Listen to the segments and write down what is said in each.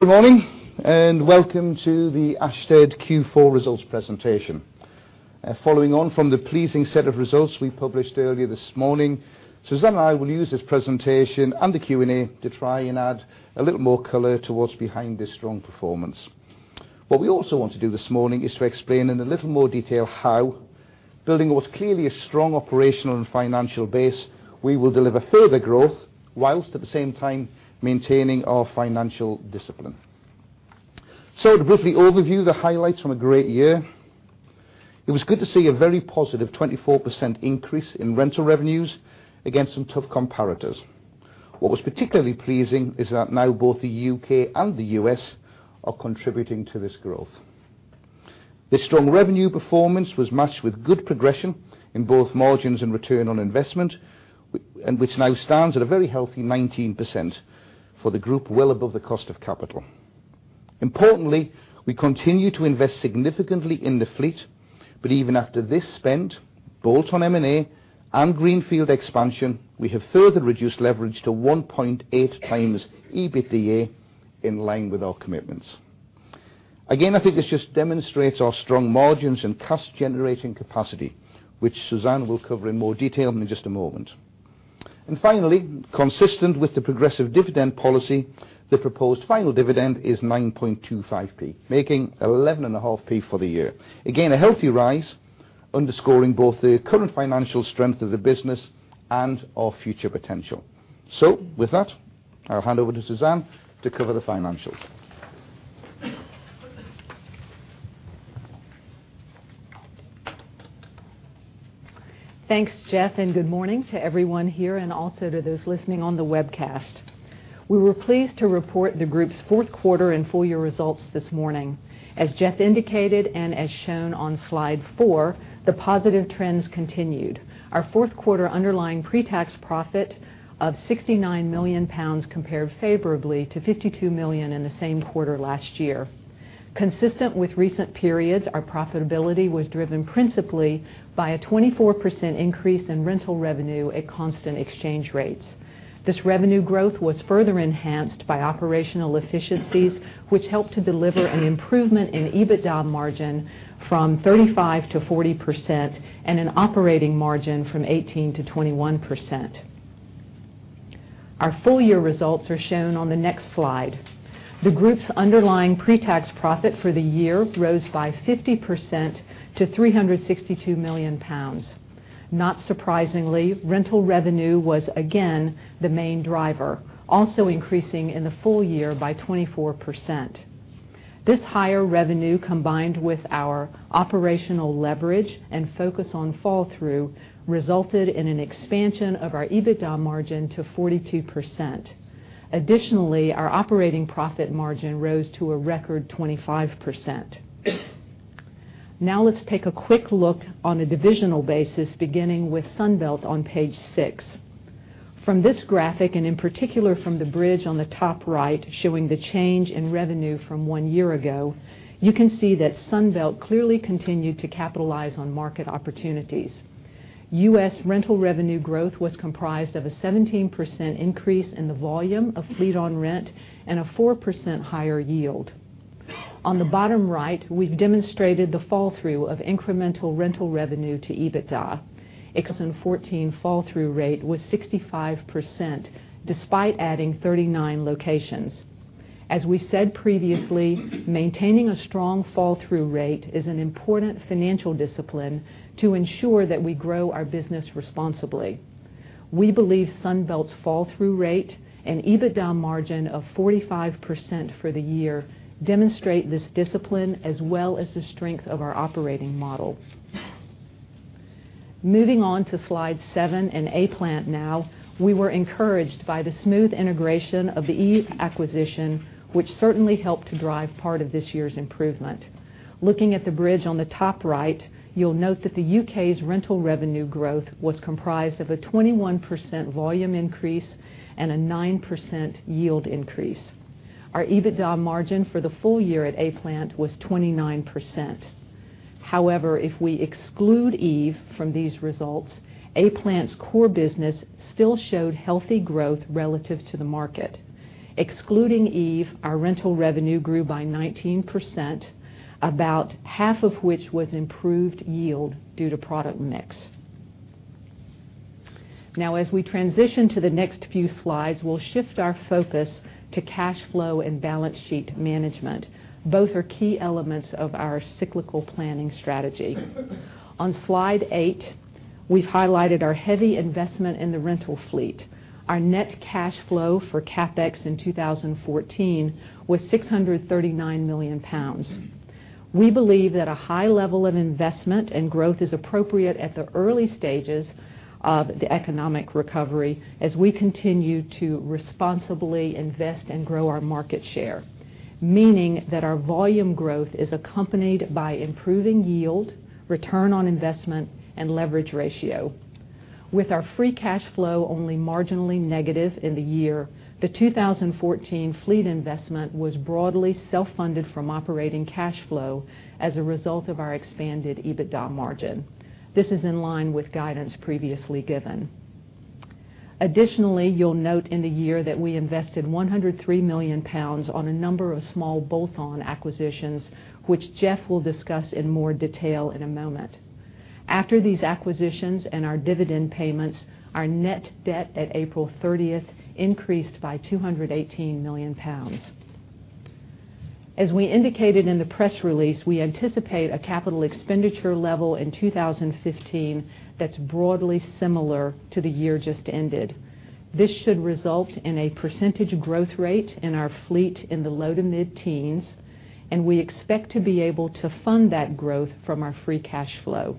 Good morning, welcome to the Ashtead Q4 results presentation. Following on from the pleasing set of results we published earlier this morning, Suzanne and I will use this presentation and the Q&A to try and add a little more color to what is behind this strong performance. What we also want to do this morning is to explain in a little more detail how building what is clearly a strong operational and financial base, we will deliver further growth whilst at the same time maintaining our financial discipline. To briefly overview the highlights from a great year, it was good to see a very positive 24% increase in rental revenues against some tough comparators. What was particularly pleasing is that both the U.K. and the U.S. are contributing to this growth. This strong revenue performance was matched with good progression in both margins and return on investment, which now stands at a very healthy 19% for the group well above the cost of capital. Importantly, we continue to invest significantly in the fleet, but even after this spend, both on M&A and greenfield expansion, we have further reduced leverage to 1.8 times EBITDA in line with our commitments. Again, I think this just demonstrates our strong margins and cash generating capacity, which Suzanne will cover in more detail in just a moment. Finally, consistent with the progressive dividend policy, the proposed final dividend is 0.0925, making 0.115 for the year. Again, a healthy rise underscoring both the current financial strength of the business and our future potential. With that, I will hand over to Suzanne to cover the financials. Thanks, Geoff, and good morning to everyone here and also to those listening on the webcast. We were pleased to report the group's fourth quarter and full-year results this morning. As Geoff indicated, and as shown on slide four, the positive trends continued. Our fourth quarter underlying pre-tax profit of 69 million pounds compared favorably to 52 million in the same quarter last year. Consistent with recent periods, our profitability was driven principally by a 24% increase in rental revenue at constant exchange rates. This revenue growth was further enhanced by operational efficiencies, which helped to deliver an improvement in EBITDA margin from 35% to 40% and an operating margin from 18% to 21%. Our full-year results are shown on the next slide. The group's underlying pre-tax profit for the year rose by 50% to 362 million pounds. Not surprisingly, rental revenue was again the main driver, also increasing in the full year by 24%. This higher revenue, combined with our operational leverage and focus on fall-through, resulted in an expansion of our EBITDA margin to 42%. Additionally, our operating profit margin rose to a record 25%. Let's take a quick look on a divisional basis, beginning with Sunbelt on page six. From this graphic, and in particular from the bridge on the top right showing the change in revenue from one year ago, you can see that Sunbelt clearly continued to capitalize on market opportunities. U.S. rental revenue growth was comprised of a 17% increase in the volume of fleet on rent and a 4% higher yield. On the bottom right, we have demonstrated the fall-through of incremental rental revenue to EBITDA. 2014 fall-through rate was 65%, despite adding 39 locations. As we said previously, maintaining a strong fall-through rate is an important financial discipline to ensure that we grow our business responsibly. We believe Sunbelt's fall-through rate and EBITDA margin of 45% for the year demonstrate this discipline as well as the strength of our operating model. Moving on to slide seven and A-Plant now, we were encouraged by the smooth integration of the EVE acquisition, which certainly helped to drive part of this year's improvement. Looking at the bridge on the top right, you'll note that the U.K.'s rental revenue growth was comprised of a 21% volume increase and a 9% yield increase. Our EBITDA margin for the full year at A-Plant was 29%. However, if we exclude EVE from these results, A-Plant's core business still showed healthy growth relative to the market. Excluding EVE, our rental revenue grew by 19%, about half of which was improved yield due to product mix. As we transition to the next few slides, we'll shift our focus to cash flow and balance sheet management. Both are key elements of our cyclical planning strategy. On slide eight, we've highlighted our heavy investment in the rental fleet. Our net cash flow for CapEx in 2014 was 639 million pounds. We believe that a high level of investment and growth is appropriate at the early stages of the economic recovery as we continue to responsibly invest and grow our market share, meaning that our volume growth is accompanied by improving yield, return on investment, and leverage ratio. With our free cash flow only marginally negative in the year, the 2014 fleet investment was broadly self-funded from operating cash flow as a result of our expanded EBITDA margin. This is in line with guidance previously given. Additionally, you'll note in the year that we invested 103 million pounds on a number of small bolt-on acquisitions, which Geoff will discuss in more detail in a moment. After these acquisitions and our dividend payments, our net debt at April 30th increased by 218 million pounds. As we indicated in the press release, we anticipate a capital expenditure level in 2015 that's broadly similar to the year just ended. This should result in a percentage growth rate in our fleet in the low to mid-teens, and we expect to be able to fund that growth from our free cash flow.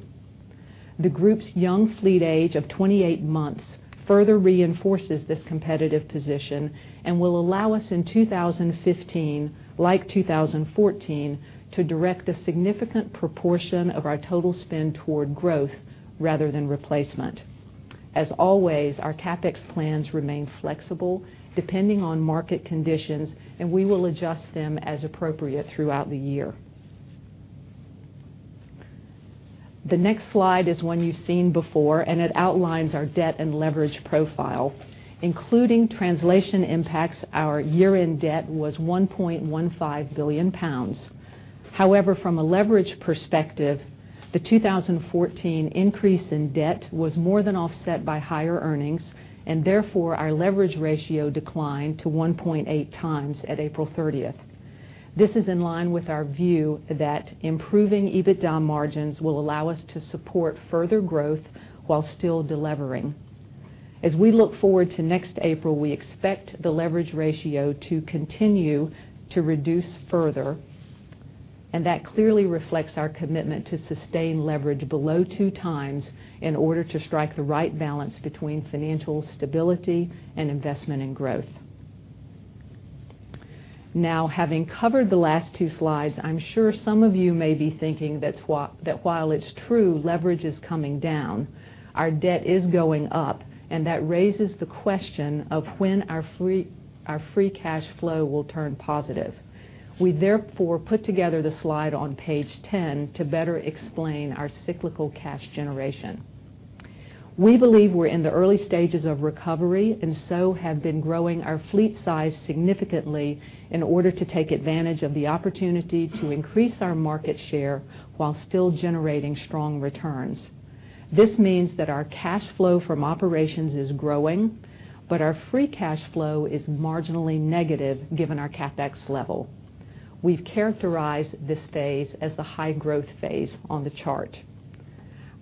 The group's young fleet age of 28 months further reinforces this competitive position and will allow us in 2015, like 2014, to direct a significant proportion of our total spend toward growth rather than replacement. As always, our CapEx plans remain flexible depending on market conditions, we will adjust them as appropriate throughout the year. The next slide is one you've seen before, it outlines our debt and leverage profile. Including translation impacts, our year-end debt was 1.15 billion pounds. However, from a leverage perspective, the 2014 increase in debt was more than offset by higher earnings, therefore, our leverage ratio declined to 1.8 times at April 30th. This is in line with our view that improving EBITDA margins will allow us to support further growth while still de-levering. As we look forward to next April, we expect the leverage ratio to continue to reduce further, that clearly reflects our commitment to sustain leverage below two times in order to strike the right balance between financial stability and investment in growth. Having covered the last two slides, I'm sure some of you may be thinking that while it's true leverage is coming down, our debt is going up, and that raises the question of when our free cash flow will turn positive. We therefore put together the slide on page 10 to better explain our cyclical cash generation. We believe we're in the early stages of recovery and so have been growing our fleet size significantly in order to take advantage of the opportunity to increase our market share while still generating strong returns. This means that our cash flow from operations is growing, but our free cash flow is marginally negative given our CapEx level. We've characterized this phase as the high growth phase on the chart.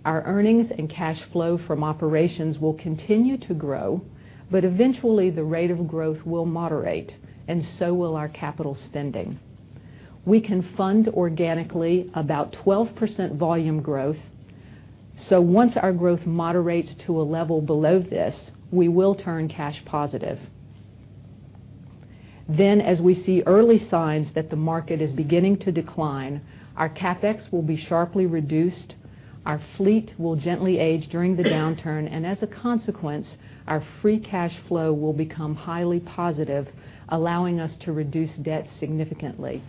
Our earnings and cash flow from operations will continue to grow, but eventually, the rate of growth will moderate, and so will our capital spending. We can fund organically about 12% volume growth. Once our growth moderates to a level below this, we will turn cash positive. As we see early signs that the market is beginning to decline, our CapEx will be sharply reduced, our fleet will gently age during the downturn, and as a consequence, our free cash flow will become highly positive, allowing us to reduce debt significantly.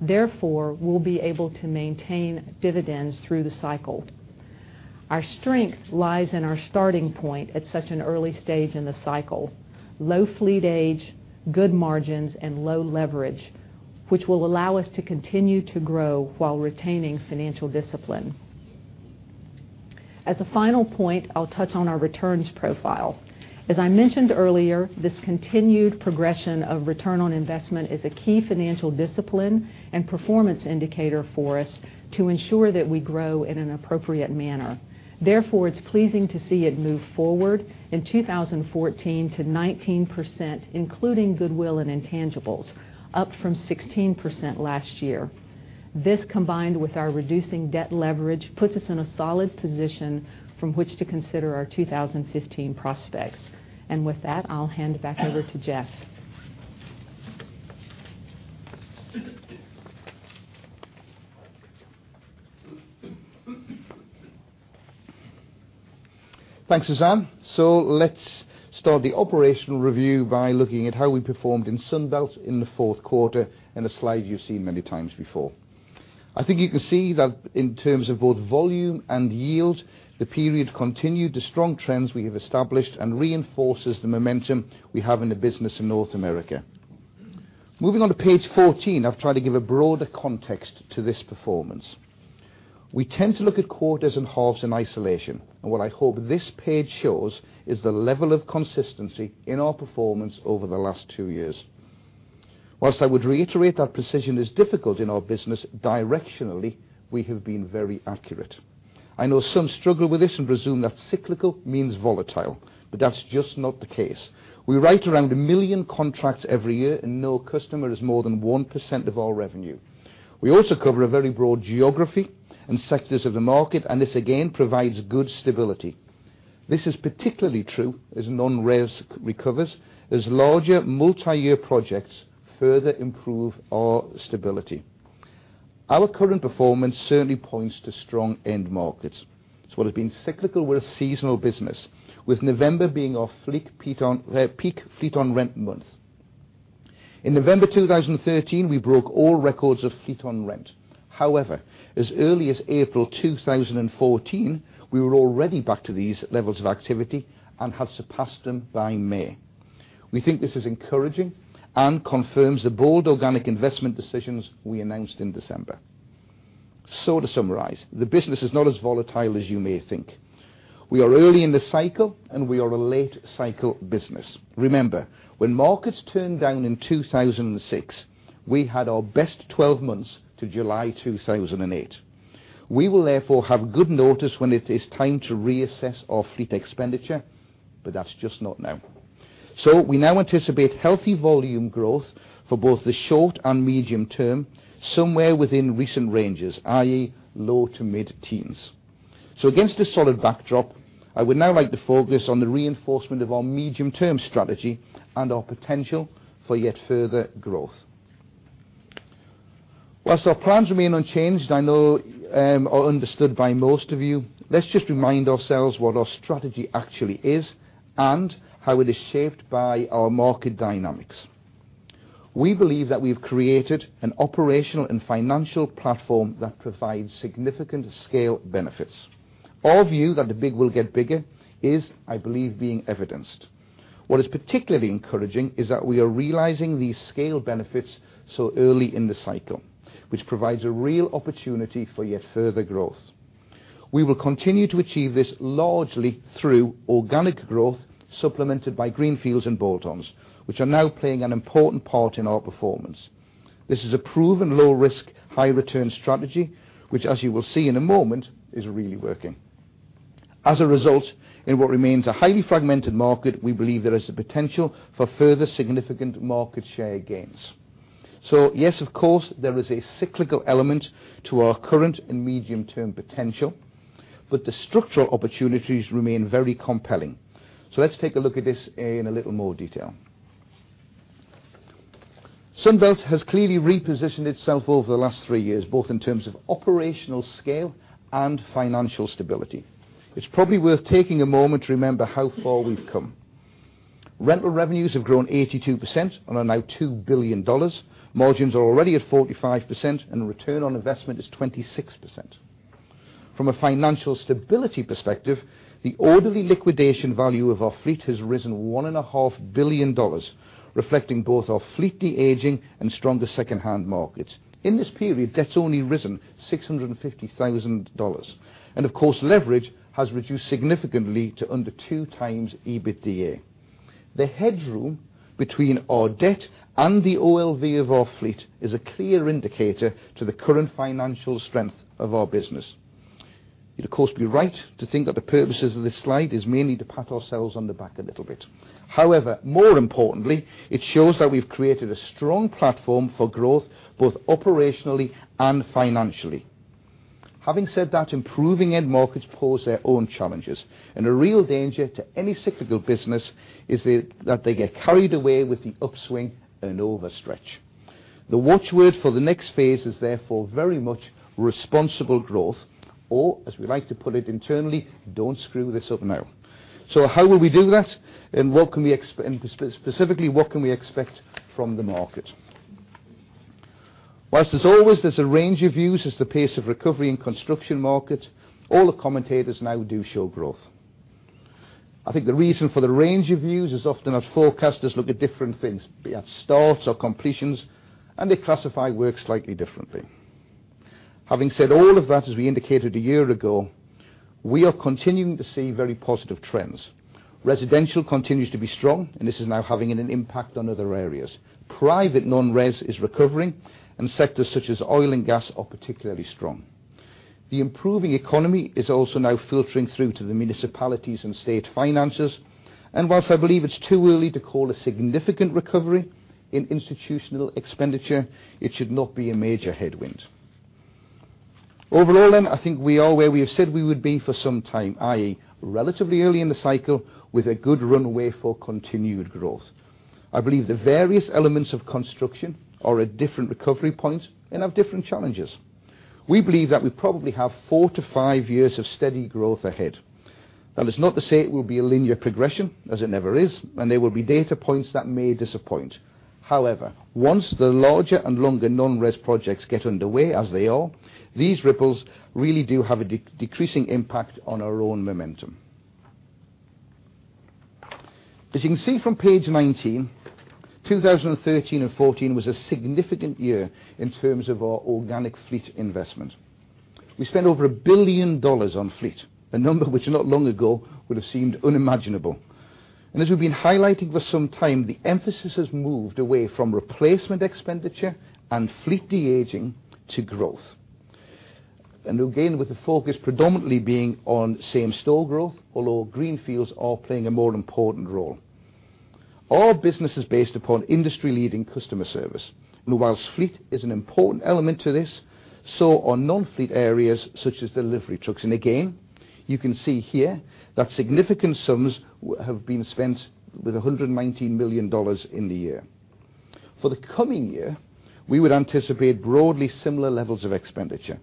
We'll be able to maintain dividends through the cycle. Our strength lies in our starting point at such an early stage in the cycle: low fleet age, good margins, and low leverage, which will allow us to continue to grow while retaining financial discipline. As a final point, I'll touch on our returns profile. As I mentioned earlier, this continued progression of return on investment is a key financial discipline and performance indicator for us to ensure that we grow in an appropriate manner. It's pleasing to see it move forward in 2014 to 19%, including goodwill and intangibles, up from 16% last year. This, combined with our reducing debt leverage, puts us in a solid position from which to consider our 2015 prospects. With that, I'll hand it back over to Geoff. Thanks, Suzanne. Let's start the operational review by looking at how we performed in Sunbelt in the fourth quarter in a slide you've seen many times before. I think you can see that in terms of both volume and yield, the period continued the strong trends we have established and reinforces the momentum we have in the business in North America. Moving on to page 14, I've tried to give a broader context to this performance. We tend to look at quarters and halves in isolation, and what I hope this page shows is the level of consistency in our performance over the last two years. While I would reiterate that precision is difficult in our business, directionally, we have been very accurate. I know some struggle with this and presume that cyclical means volatile, but that's just not the case. We write around 1 million contracts every year, and no customer is more than 1% of our revenue. We also cover a very broad geography and sectors of the market, and this again provides good stability. This is particularly true as non-res recovers, as larger multi-year projects further improve our stability. Our current performance certainly points to strong end markets. What has been cyclical with seasonal business, with November being our peak fleet-on-rent month. In November 2013, we broke all records of fleet on rent. However, as early as April 2014, we were already back to these levels of activity and have surpassed them by May. We think this is encouraging and confirms the bold organic investment decisions we announced in December. To summarize, the business is not as volatile as you may think. We are early in the cycle, and we are a late cycle business. Remember, when markets turned down in 2006, we had our best 12 months to July 2008. We will therefore have good notice when it is time to reassess our fleet expenditure, but that's just not now. We now anticipate healthy volume growth for both the short and medium term, somewhere within recent ranges, i.e., low to mid-teens. Against this solid backdrop, I would now like to focus on the reinforcement of our medium-term strategy and our potential for yet further growth. Whilst our plans remain unchanged, I know are understood by most of you, let's just remind ourselves what our strategy actually is and how it is shaped by our market dynamics. We believe that we've created an operational and financial platform that provides significant scale benefits. Our view that the big will get bigger is, I believe, being evidenced. What is particularly encouraging is that we are realizing these scale benefits so early in the cycle, which provides a real opportunity for yet further growth. We will continue to achieve this largely through organic growth, supplemented by greenfields and bolt-ons, which are now playing an important part in our performance. This is a proven low risk, high return strategy, which as you will see in a moment, is really working. As a result, in what remains a highly fragmented market, we believe there is the potential for further significant market share gains. Yes, of course, there is a cyclical element to our current and medium-term potential, but the structural opportunities remain very compelling. Let's take a look at this in a little more detail. Sunbelt has clearly repositioned itself over the last three years, both in terms of operational scale and financial stability. It's probably worth taking a moment to remember how far we've come. Rental revenues have grown 82% and are now $2 billion. Margins are already at 45%, and return on investment is 26%. From a financial stability perspective, the orderly liquidation value of our fleet has risen $1.5 billion, reflecting both our fleet de-aging and stronger secondhand markets. In this period, debt's only risen $650,000. Of course, leverage has reduced significantly to under 2x EBITDA. The headroom between our debt and the OLV of our fleet is a clear indicator to the current financial strength of our business. You'd of course, be right to think that the purposes of this slide is mainly to pat ourselves on the back a little bit. However, more importantly, it shows that we've created a strong platform for growth both operationally and financially. Having said that, improving end markets pose their own challenges, a real danger to any cyclical business is that they get carried away with the upswing and overstretch. The watchword for the next phase is therefore very much responsible growth, or as we like to put it internally, "Don't screw this up now." How will we do that? Specifically, what can we expect from the market? While there's always a range of views as the pace of recovery and construction market, all the commentators now do show growth. I think the reason for the range of views is often our forecasters look at different things, be it starts or completions, and they classify work slightly differently. Having said all of that, as we indicated a year ago, we are continuing to see very positive trends. Residential continues to be strong, and this is now having an impact on other areas. Private non-res is recovering, and sectors such as oil and gas are particularly strong. The improving economy is also now filtering through to the municipalities and state finances. While I believe it's too early to call a significant recovery in institutional expenditure, it should not be a major headwind. Overall then, I think we are where we have said we would be for some time, i.e., relatively early in the cycle with a good runway for continued growth. I believe the various elements of construction are at different recovery points and have different challenges. We believe that we probably have four to five years of steady growth ahead. That is not to say it will be a linear progression, as it never is, and there will be data points that may disappoint. However, once the larger and longer non-res projects get underway, as they are, these ripples really do have a decreasing impact on our own momentum. As you can see from page 19, 2013 and 2014 was a significant year in terms of our organic fleet investment. We spent over $1 billion on fleet, a number which not long ago would have seemed unimaginable. As we've been highlighting for some time, the emphasis has moved away from replacement expenditure and fleet de-aging to growth. Again, with the focus predominantly being on same-store growth, although greenfields are playing a more important role. Our business is based upon industry-leading customer service. While fleet is an important element to this, so are non-fleet areas such as delivery trucks. Again, you can see here that significant sums have been spent with $119 million in the year. For the coming year, we would anticipate broadly similar levels of expenditure.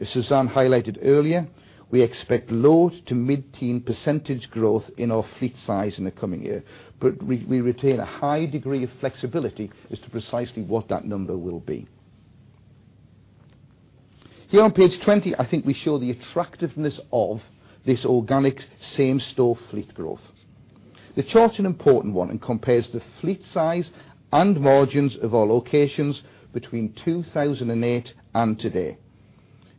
As Suzanne highlighted earlier, we expect low to mid-teen % growth in our fleet size in the coming year, but we retain a high degree of flexibility as to precisely what that number will be. Here on page 20, I think we show the attractiveness of this organic same-store fleet growth. The chart's an important one and compares the fleet size and margins of our locations between 2008 and today.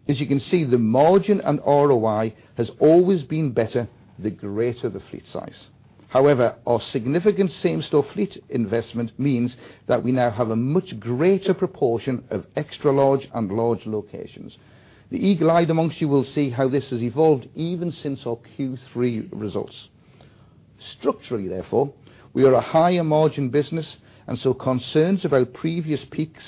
As you can see, the margin and ROI has always been better the greater the fleet size. However, our significant same-store fleet investment means that we now have a much greater proportion of extra large and large locations. The eagle-eyed amongst you will see how this has evolved even since our Q3 results. Structurally, therefore, we are a higher margin business. Concerns about previous peaks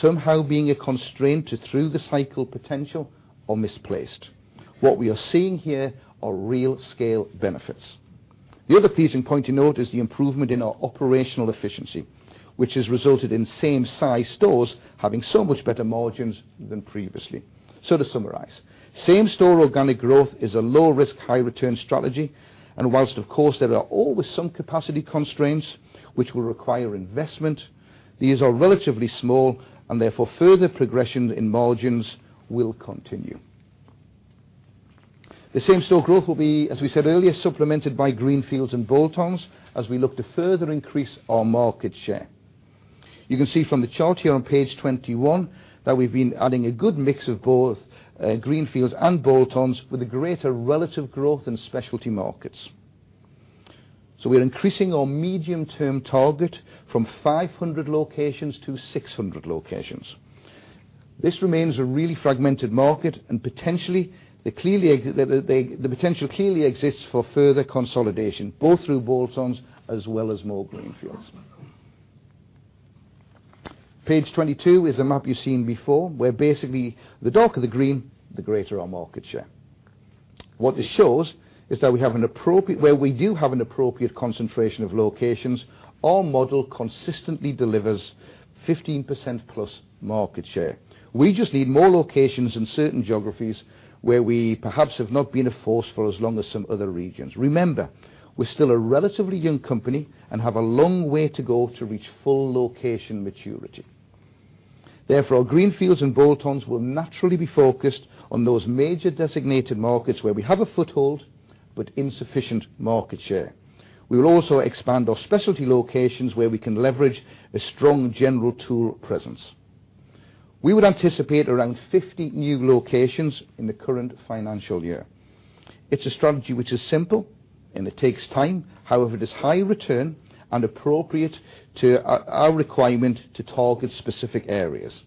somehow being a constraint to through the cycle potential are misplaced. What we are seeing here are real scale benefits. The other pleasing point to note is the improvement in our operational efficiency, which has resulted in same-size stores having so much better margins than previously. To summarize, same-store organic growth is a low-risk, high-return strategy, and whilst of course there are always some capacity constraints which will require investment, these are relatively small and therefore further progressions in margins will continue. The same-store growth will be, as we said earlier, supplemented by greenfields and bolt-ons as we look to further increase our market share. You can see from the chart here on page 21 that we've been adding a good mix of both greenfields and bolt-ons with a greater relative growth in specialty markets. We're increasing our medium-term target from 500 locations to 600 locations. This remains a really fragmented market and the potential clearly exists for further consolidation, both through bolt-ons as well as more greenfields. Page 22 is a map you've seen before, where basically the darker the green, the greater our market share. What this shows is that where we do have an appropriate concentration of locations, our model consistently delivers 15%-plus market share. We just need more locations in certain geographies where we perhaps have not been a force for as long as some other regions. Remember, we're still a relatively young company and have a long way to go to reach full location maturity. Therefore, our greenfields and bolt-ons will naturally be focused on those major designated markets where we have a foothold but insufficient market share. We will also expand our specialty locations where we can leverage a strong general tool presence. We would anticipate around 50 new locations in the current financial year. It's a strategy which is simple and it takes time. However, it is high return and appropriate to our requirement to target specific areas.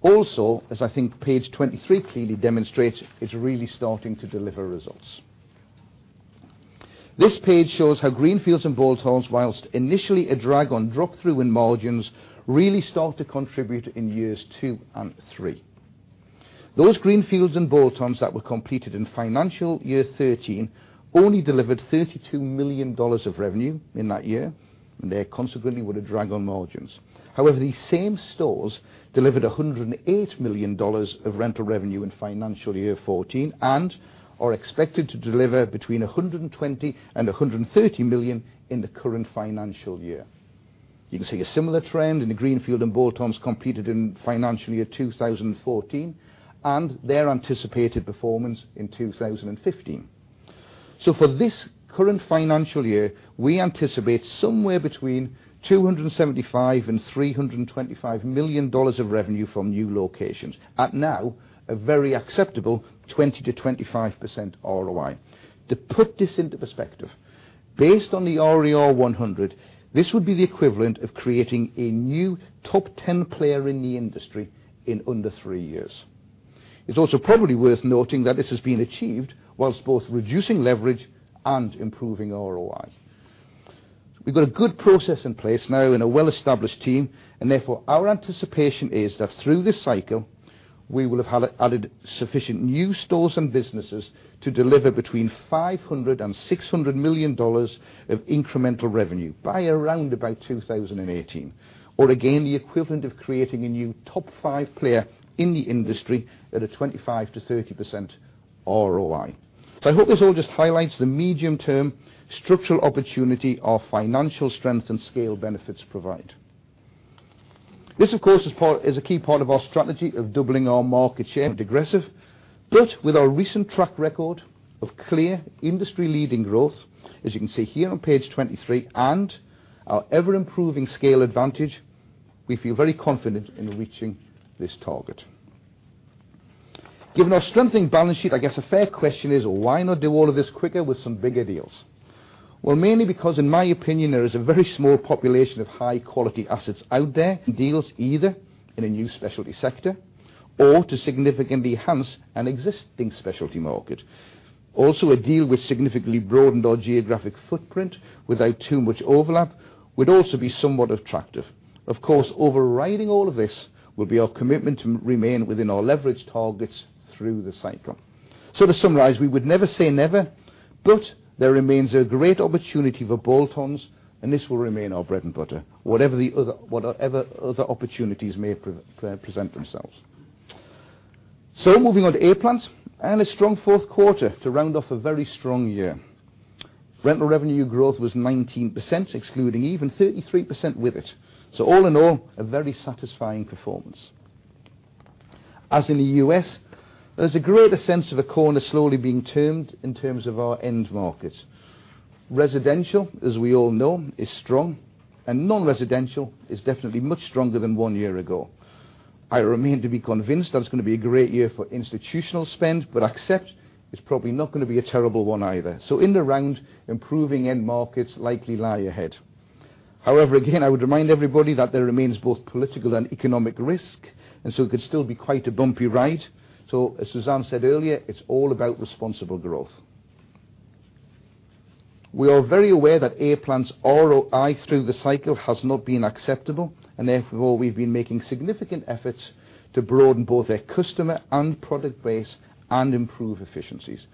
Also, as I think page 23 clearly demonstrates, it's really starting to deliver results. This page shows how greenfields and bolt-ons, whilst initially a drag on drop through in margins, really start to contribute in years two and three. Those greenfields and bolt-ons that were completed in financial year 2013 only delivered $32 million of revenue in that year, and they consequently were a drag on margins. However, these same stores delivered $108 million of rental revenue in financial year 2014 and are expected to deliver between $120 million and $130 million in the current financial year. You can see a similar trend in the greenfield and bolt-ons completed in financial year 2014 and their anticipated performance in 2015. For this current financial year, we anticipate somewhere between $275 million and $325 million of revenue from new locations at now a very acceptable 20%-25% ROI. To put this into perspective, based on the RER 100, this would be the equivalent of creating a new top 10 player in the industry in under three years. It's also probably worth noting that this has been achieved whilst both reducing leverage and improving ROI. We've got a good process in place now and a well-established team. Therefore, our anticipation is that through this cycle, we will have added sufficient new stores and businesses to deliver between $500 million and $600 million of incremental revenue by around about 2018, or again the equivalent of creating a new top five player in the industry at a 25%-30% ROI. I hope this all just highlights the medium-term structural opportunity our financial strength and scale benefits provide. This, of course, is a key part of our strategy of doubling our market share and aggressive, with our recent track record of clear industry-leading growth, as you can see here on page 23, and our ever-improving scale advantage, we feel very confident in reaching this target. Given our strengthening balance sheet, I guess a fair question is why not do all of this quicker with some bigger deals? Mainly because in my opinion, there is a very small population of high-quality assets out there. Deals either in a new specialty sector or to significantly enhance an existing specialty market. Also, a deal which significantly broadened our geographic footprint without too much overlap would also be somewhat attractive. Of course, overriding all of this will be our commitment to remain within our leverage targets through the cycle. To summarize, we would never say never. There remains a great opportunity for bolt-ons, and this will remain our bread and butter, whatever other opportunities may present themselves. Moving on to A-Plant, and a strong fourth quarter to round off a very strong year. Rental revenue growth was 19%, excluding EVE 33% with it. All in all, a very satisfying performance. As in the U.S., there's a greater sense of a corner slowly being turned in terms of our end markets. Residential, as we all know, is strong, and non-residential is definitely much stronger than one year ago. I remain to be convinced that it's going to be a great year for institutional spend, but accept it's probably not going to be a terrible one either. In the round, improving end markets likely lie ahead. However, again, I would remind everybody that there remains both political and economic risk, so it could still be quite a bumpy ride. As Suzanne said earlier, it's all about responsible growth. We are very aware that A-Plant's ROI through the cycle has not been acceptable. Therefore, we've been making significant efforts to broaden both their customer and product base and improve efficiencies.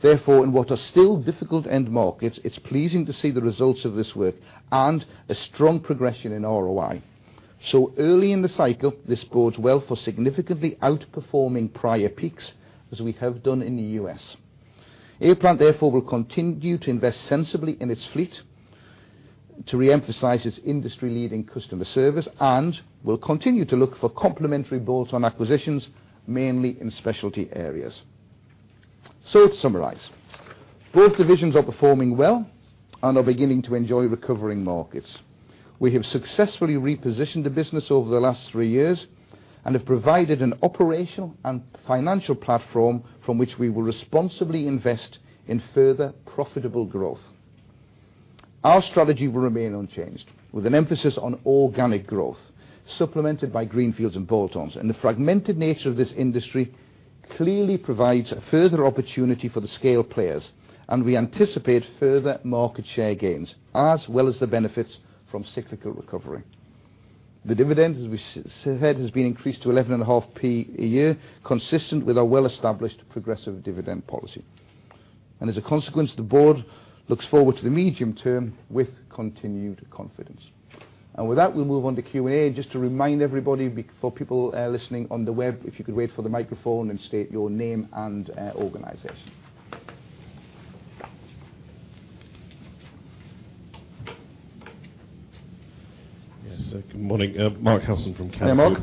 Therefore, in what are still difficult end markets, it's pleasing to see the results of this work and a strong progression in ROI. Early in the cycle, this bodes well for significantly outperforming prior peaks, as we have done in the U.S. A-Plant, therefore, will continue to invest sensibly in its fleet to reemphasize its industry-leading customer service and will continue to look for complementary bolt-on acquisitions, mainly in specialty areas. Let's summarize. Both divisions are performing well and are beginning to enjoy recovering markets. We have successfully repositioned the business over the last three years and have provided an operational and financial platform from which we will responsibly invest in further profitable growth. Our strategy will remain unchanged, with an emphasis on organic growth, supplemented by greenfields and bolt-ons. The fragmented nature of this industry clearly provides a further opportunity for the scale players, and we anticipate further market share gains, as well as the benefits from cyclical recovery. The dividend, as we said, has been increased to 0.115 a year, consistent with our well-established progressive dividend policy. As a consequence, the board looks forward to the medium term with continued confidence. With that, we'll move on to Q&A. Just to remind everybody, for people listening on the web, if you could wait for the microphone and state your name and organization. Yes. Good morning. Mark Howson from Canaccord. Hey, Mark.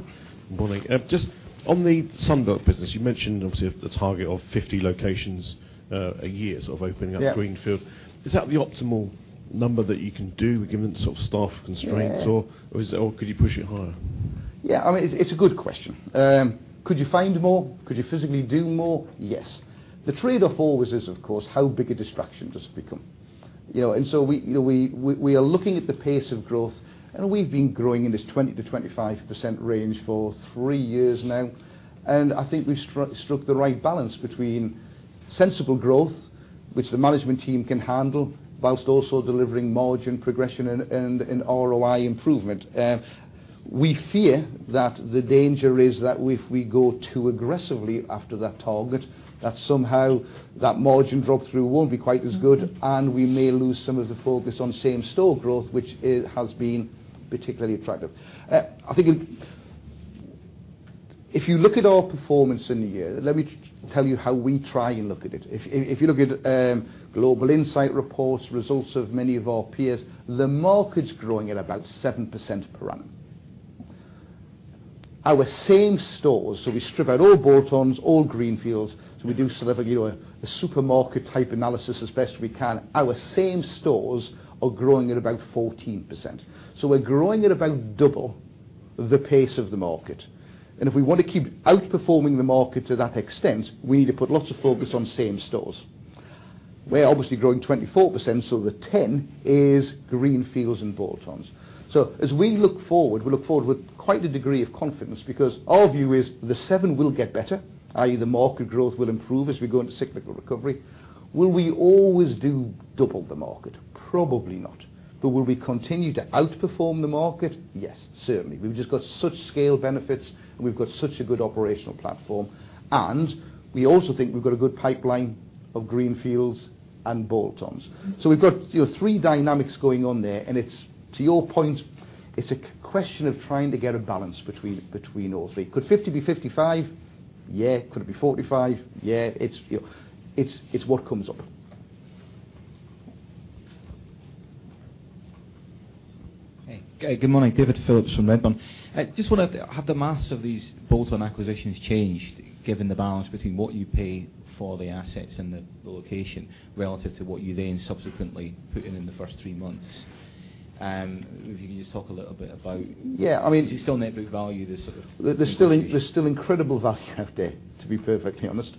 Good morning. Just on the Sunbelt business, you mentioned obviously the target of 50 locations a year sort of opening up greenfield. Yeah. Is that the optimal number that you can do given sort of staff constraints, or could you push it higher? Yeah. It's a good question. Could you find more? Could you physically do more? Yes. The trade-off always is, of course, how big a distraction does it become? We are looking at the pace of growth, and we've been growing in this 20%-25% range for three years now. I think we've struck the right balance between sensible growth, which the management team can handle, whilst also delivering margin progression and ROI improvement. We fear that the danger is that if we go too aggressively after that target, that somehow that margin drop-through won't be quite as good, and we may lose some of the focus on same store growth, which has been particularly attractive. If you look at our performance in the year, let me tell you how we try and look at it. If you look at Global Insight reports, results of many of our peers, the market's growing at about 7% per annum. Our same stores, so we strip out all bolt-ons, all greenfields, so we do sort of a supermarket-type analysis as best we can. Our same stores are growing at about 14%. We're growing at about double the pace of the market. If we want to keep outperforming the market to that extent, we need to put lots of focus on same stores. We're obviously growing 24%, so the 10 is greenfields and bolt-ons. As we look forward, we look forward with quite a degree of confidence because our view is the seven will get better, i.e., the market growth will improve as we go into cyclical recovery. Will we always do double the market? Probably not. Will we continue to outperform the market? Yes, certainly. We've just got such scale benefits, and we've got such a good operational platform. We also think we've got a good pipeline of greenfields and bolt-ons. We've got three dynamics going on there, and to your point, it's a question of trying to get a balance between all three. Could 50 be 55? Yeah. Could it be 45? Yeah. It's what comes up. Hey, good morning. David Phillips from Redburn. Just have the math of these bolt-on acquisitions changed given the balance between what you pay for the assets and the location relative to what you then subsequently put in in the first three months? If you could just talk a little bit about. Yeah Is it still net book value, this sort of acquisition? There's still incredible value out there, to be perfectly honest.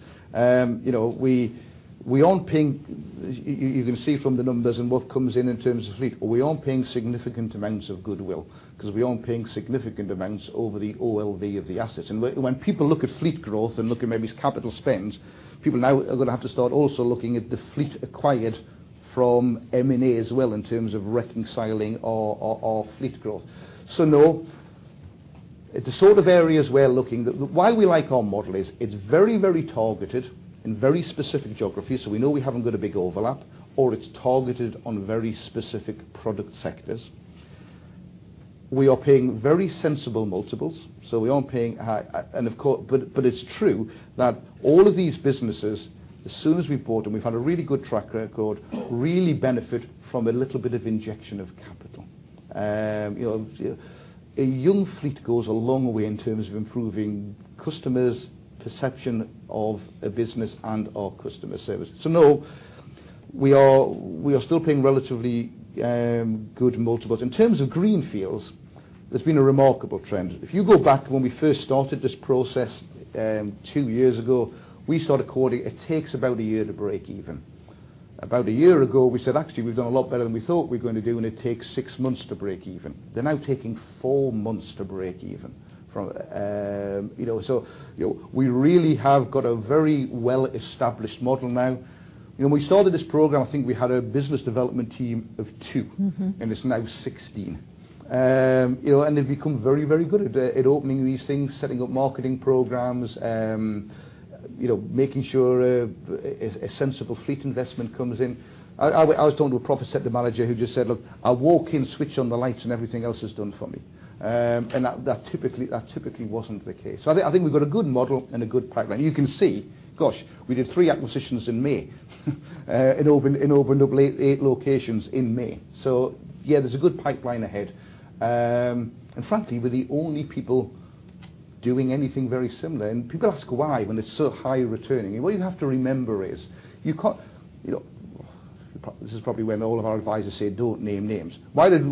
You can see from the numbers and what comes in in terms of fleet, we aren't paying significant amounts of goodwill because we aren't paying significant amounts over the OLV of the assets. When people look at fleet growth and look at maybe capital spends, people now are going to have to start also looking at the fleet acquired from M&A as well in terms of reconciling our fleet growth. No, why we like our model is it's very targeted in very specific geographies, so we know we haven't got a big overlap, or it's targeted on very specific product sectors. We are paying very sensible multiples, so we aren't paying high. It's true that all of these businesses, as soon as we bought them, we've had a really good track record, really benefit from a little bit of injection of capital. A young fleet goes a long way in terms of improving customers' perception of a business and our customer service. No, we are still paying relatively good multiples. In terms of greenfields, there's been a remarkable trend. If you go back to when we first started this process 2 years ago, we started quoting, it takes about a year to break even. About a year ago, we said, "Actually, we've done a lot better than we thought we were going to do, and it takes 6 months to break even." They're now taking 4 months to break even. We really have got a very well-established model now. When we started this program, I think we had a business development team of two. It's now 16. They've become very good at opening these things, setting up marketing programs, making sure a sensible fleet investment comes in. I was talking to a profit center manager who just said, "Look, I walk in, switch on the lights, and everything else is done for me." That typically wasn't the case. I think we've got a good model and a good pipeline. You can see, gosh, we did three acquisitions in May and opened up eight locations in May. Yeah, there's a good pipeline ahead. Frankly, we're the only people doing anything very similar. People ask why, when it's so high returning. What you have to remember is, this is probably when all of our advisors say, "Don't name names." Why did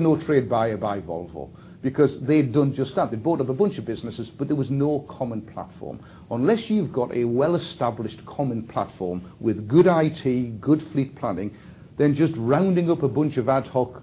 no trade buyer buy Volvo? Because they'd done just that. They'd bought up a bunch of businesses, there was no common platform. Unless you've got a well-established common platform with good IT, good fleet planning, then just rounding up a bunch of ad hoc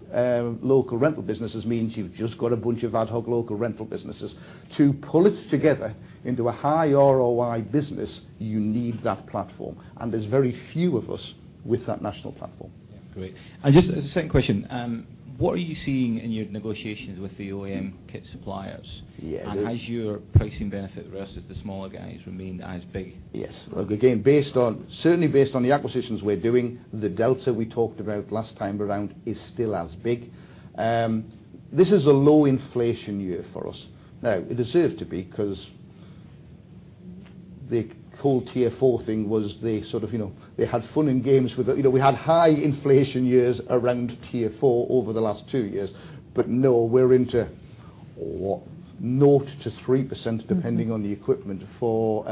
local rental businesses means you've just got a bunch of ad hoc local rental businesses. To pull it together into a high ROI business, you need that platform, and there's very few of us with that national platform. Yeah, great. Just a second question. What are you seeing in your negotiations with the OEM kit suppliers? Yeah. Has your pricing benefit versus the smaller guys remained as big? Yes. Look, again, certainly based on the acquisitions we're doing, the delta we talked about last time around is still as big. This is a low inflation year for us. It deserves to be because the whole Tier 4 thing was the sort of, they had fun and games with. We had high inflation years around Tier 4 over the last two years. No, we're into, what? 0%-3% depending on the equipment for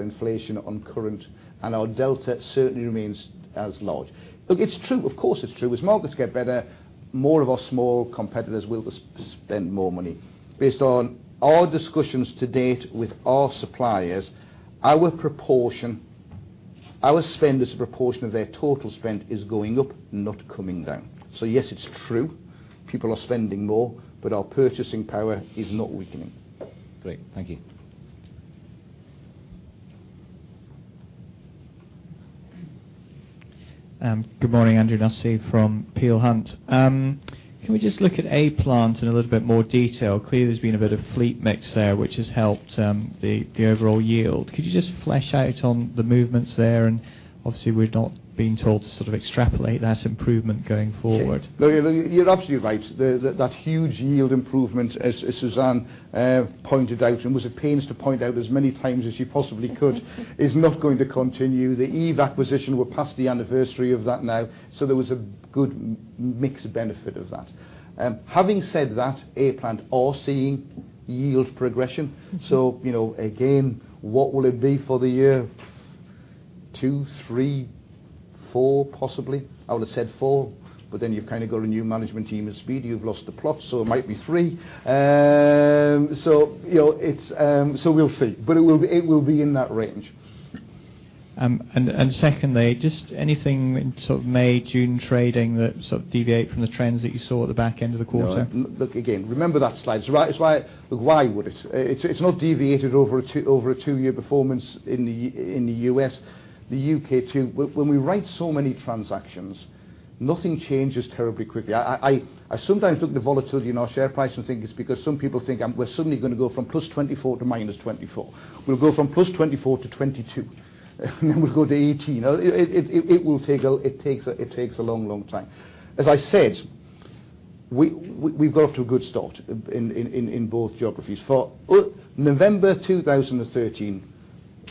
inflation on current, and our delta certainly remains as large. Look, it's true. Of course, it's true. As markets get better, more of our small competitors will spend more money. Based on our discussions to date with our suppliers, our spend as a proportion of their total spend is going up, not coming down. Yes, it's true, people are spending more, but our purchasing power is not weakening. Great. Thank you. Good morning, Andrew Nussey from Peel Hunt. Can we just look at A-Plant in a little bit more detail? Clearly, there's been a bit of fleet mix there, which has helped the overall yield. Could you just flesh out on the movements there? Obviously, we're not being told to extrapolate that improvement going forward. No, you're absolutely right. That huge yield improvement, as Suzanne pointed out, and was at pains to point out as many times as she possibly could is not going to continue. The Eve acquisition, we're past the anniversary of that now. There was a good mix benefit of that. Having said that, A-Plant are seeing yield progression. Again, what will it be for the year? 2, 3, 4, possibly. I would have said 4, but then you've kind of got a new management team at Speedy, you've lost the plot, so it might be 3. We'll see. It will be in that range. Secondly, just anything in sort of May, June trading that sort of deviate from the trends that you saw at the back end of the quarter? No. Look, again, remember that slide. Why would it? It's not deviated over a two-year performance in the U.S. The U.K. too. When we write so many transactions, nothing changes terribly quickly. I sometimes look at the volatility in our share price and think it's because some people think we're suddenly going to go from +24 to -24. We'll go from +24 to 22. Then we'll go to 18. It takes a long, long time. As I said, we've got off to a good start in both geographies. For November 2013,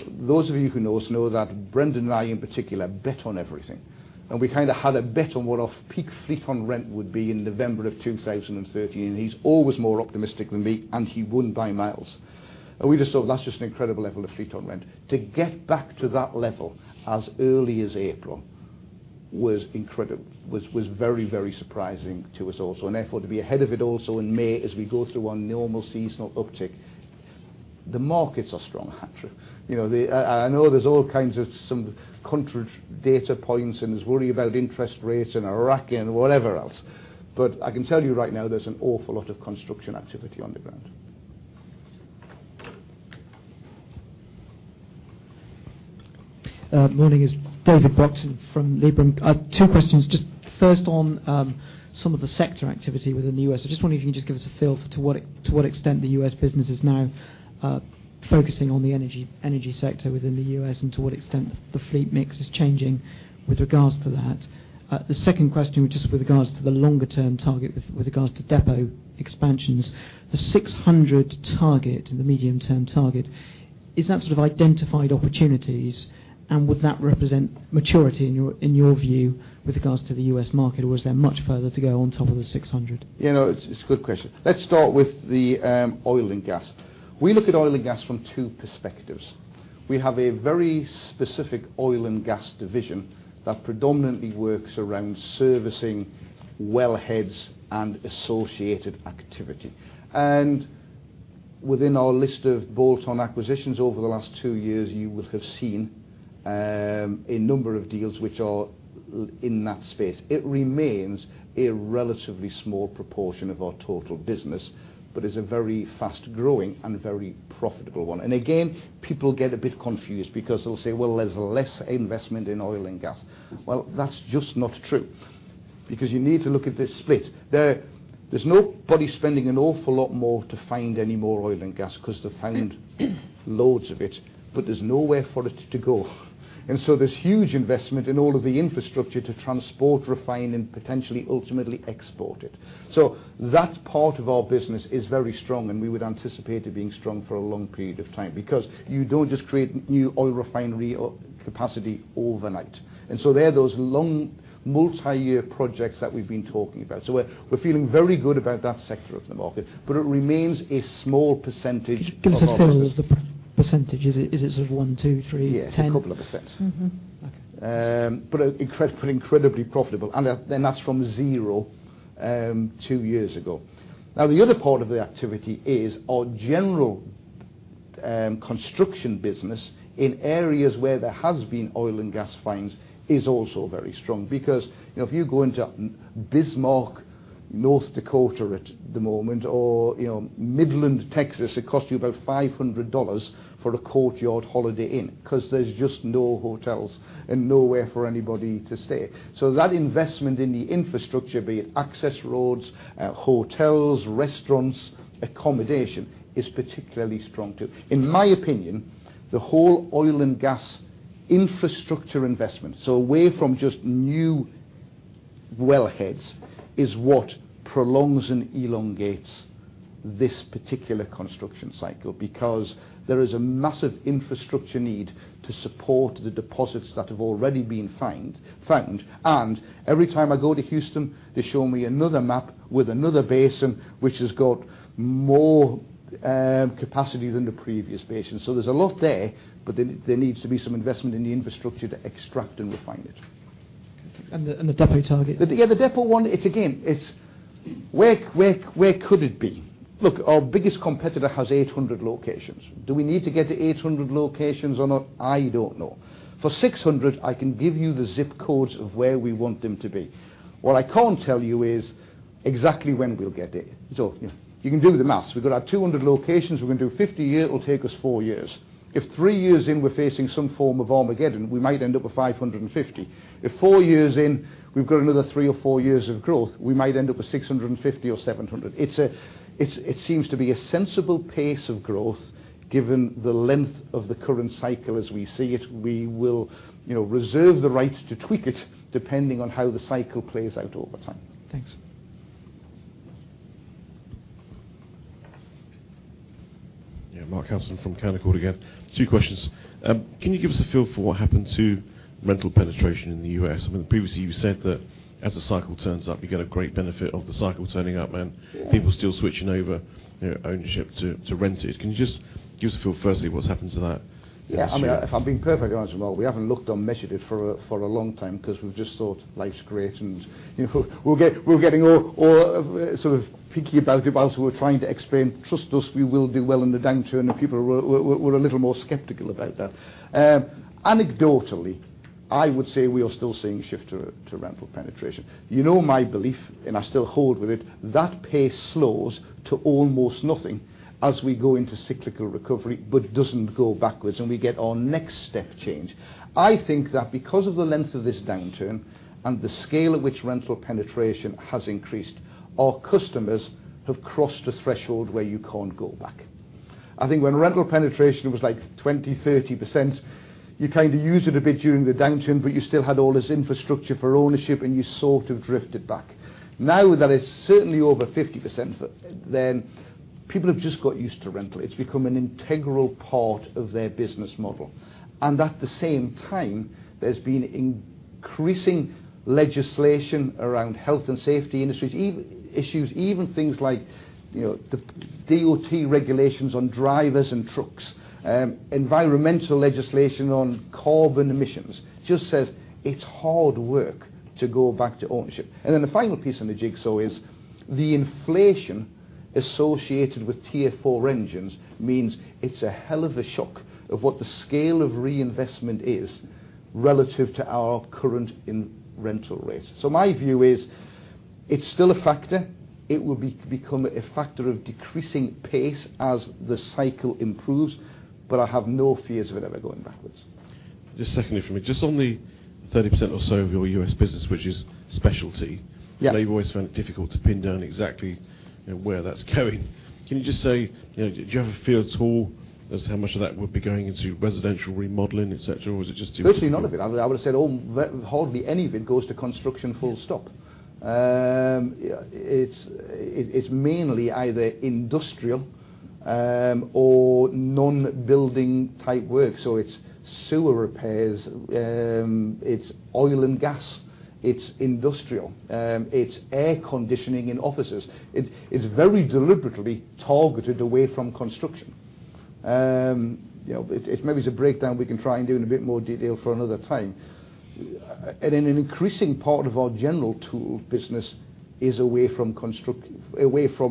those of you who know us know that Brendan and I in particular bet on everything, and we kind of had a bet on what our peak fleet on rent would be in November of 2013, and he's always more optimistic than me, and he won by miles. We just thought, "That's just an incredible level of fleet on rent." To get back to that level as early as April was incredible. Was very surprising to us also. Therefore, to be ahead of it also in May as we go through our normal seasonal uptick. The markets are strong, Andrew. I know there's all kinds of some contrary data points, and there's worry about interest rates and Iraq and whatever else. I can tell you right now, there's an awful lot of construction activity on the ground. Morning. It's David Sherborne from Liberum. I have two questions. Just first on some of the sector activity within the U.S. I just wonder if you can just give us a feel for to what extent the U.S. business is now focusing on the energy sector within the U.S., and to what extent the fleet mix is changing with regards to that. The second question, which is with regards to the longer-term target with regards to depot expansions. The 600 target, the medium-term target, is that sort of identified opportunities, and would that represent maturity in your view with regards to the U.S. market, or is there much further to go on top of the 600? It's a good question. Let's start with the oil and gas. We look at oil and gas from two perspectives. We have a very specific oil and gas division that predominantly works around servicing wellheads and associated activity. Within our list of bolt-on acquisitions over the last two years, you will have seen a number of deals which are in that space. It remains a relatively small proportion of our total business, but is a very fast-growing and very profitable one. Again, people get a bit confused because they'll say, "Well, there's less investment in oil and gas." Well, that's just not true because you need to look at this split. There's nobody spending an awful lot more to find any more oil and gas because they've found loads of it, but there's nowhere for it to go. This huge investment in all of the infrastructure to transport, refine, and potentially ultimately export it. That part of our business is very strong, and we would anticipate it being strong for a long period of time because you don't just create new oil refinery capacity overnight. There are those long multiyear projects that we've been talking about. We're feeling very good about that sector of the market, but it remains a small percentage of our business. Could you give us a feel of the percentage? Is it sort of one, two, three, 10? Yes, a couple of %. Okay. Incredibly profitable. That's from 0, 2 years ago. The other part of the activity is our general construction business in areas where there has been oil and gas finds is also very strong because if you go into Bismarck, North Dakota at the moment, or Midland, Texas, it costs you about $500 for a Courtyard by Marriott because there's just no hotels and nowhere for anybody to stay. That investment in the infrastructure, be it access roads, hotels, restaurants, accommodation, is particularly strong too. In my opinion, the whole oil and gas infrastructure investment, away from just new wellheads, is what prolongs and elongates this particular construction cycle because there is a massive infrastructure need to support the deposits that have already been found. Every time I go to Houston, they show me another map with another basin, which has got more capacity than the previous basin. There's a lot there, but there needs to be some investment in the infrastructure to extract and refine it. The depot target? The depot one, it's again, where could it be? Look, our biggest competitor has 800 locations. Do we need to get to 800 locations or not? I don't know. For 600, I can give you the zip codes of where we want them to be. What I can't tell you is exactly when we'll get it. You can do the math. We've got our 200 locations, we're going to do 50 a year, it'll take us 4 years. If 3 years in, we're facing some form of Armageddon, we might end up with 550. If 4 years in, we've got another 3 or 4 years of growth, we might end up with 650 or 700. It seems to be a sensible pace of growth given the length of the current cycle as we see it. We will reserve the right to tweak it depending on how the cycle plays out over time. Thanks. Mark Harrison from Canaccord again. 2 questions. Can you give us a feel for what happened to rental penetration in the U.S.? I mean, previously you said that as the cycle turns up, you get a great benefit of the cycle turning up. Yeah People still switching over ownership to rented. Can you just give us a feel firstly what's happened to that? Yeah, if I'm being perfectly honest, Mark, we haven't looked or measured it for a long time because we've just thought life's great and we're getting all sort of picky about it. We're trying to explain, trust us, we will do well in the downturn, and people were a little more skeptical about that. Anecdotally, I would say we are still seeing a shift to rental penetration. You know my belief, and I still hold with it, that pace slows to almost nothing as we go into cyclical recovery, but doesn't go backwards, and we get our next step change. I think that because of the length of this downturn and the scale at which rental penetration has increased, our customers have crossed a threshold where you can't go back. I think when rental penetration was like 20%, 30%, you kind of used it a bit during the downturn, but you still had all this infrastructure for ownership, and you sort of drifted back. Now that it's certainly over 50% then people have just got used to rental. It's become an integral part of their business model. At the same time, there's been increasing legislation around health and safety issues, even things like the DOT regulations on drivers and trucks, environmental legislation on carbon emissions just says it's hard work to go back to ownership. Then the final piece in the jigsaw is the inflation associated with Tier 4 engines means it's a hell of a shock of what the scale of reinvestment is relative to our current rental rates. My view is it's still a factor. It will become a factor of decreasing pace as the cycle improves, I have no fears of it ever going backwards. Just secondly from me, just on the 30% or so of your U.S. business, which is specialty-. Yeah they've always found it difficult to pin down exactly where that's going. Can you just say, do you have a feel at all as to how much of that would be going into residential remodeling, et cetera? Or is it just Virtually none of it. I would have said hardly any of it goes to construction, full stop. It's mainly either industrial or non-building type work, so it's sewer repairs, it's oil and gas, it's industrial, it's air conditioning in offices. It's very deliberately targeted away from construction. Maybe it's a breakdown we can try and do in a bit more detail for another time. An increasing part of our general tool business is away from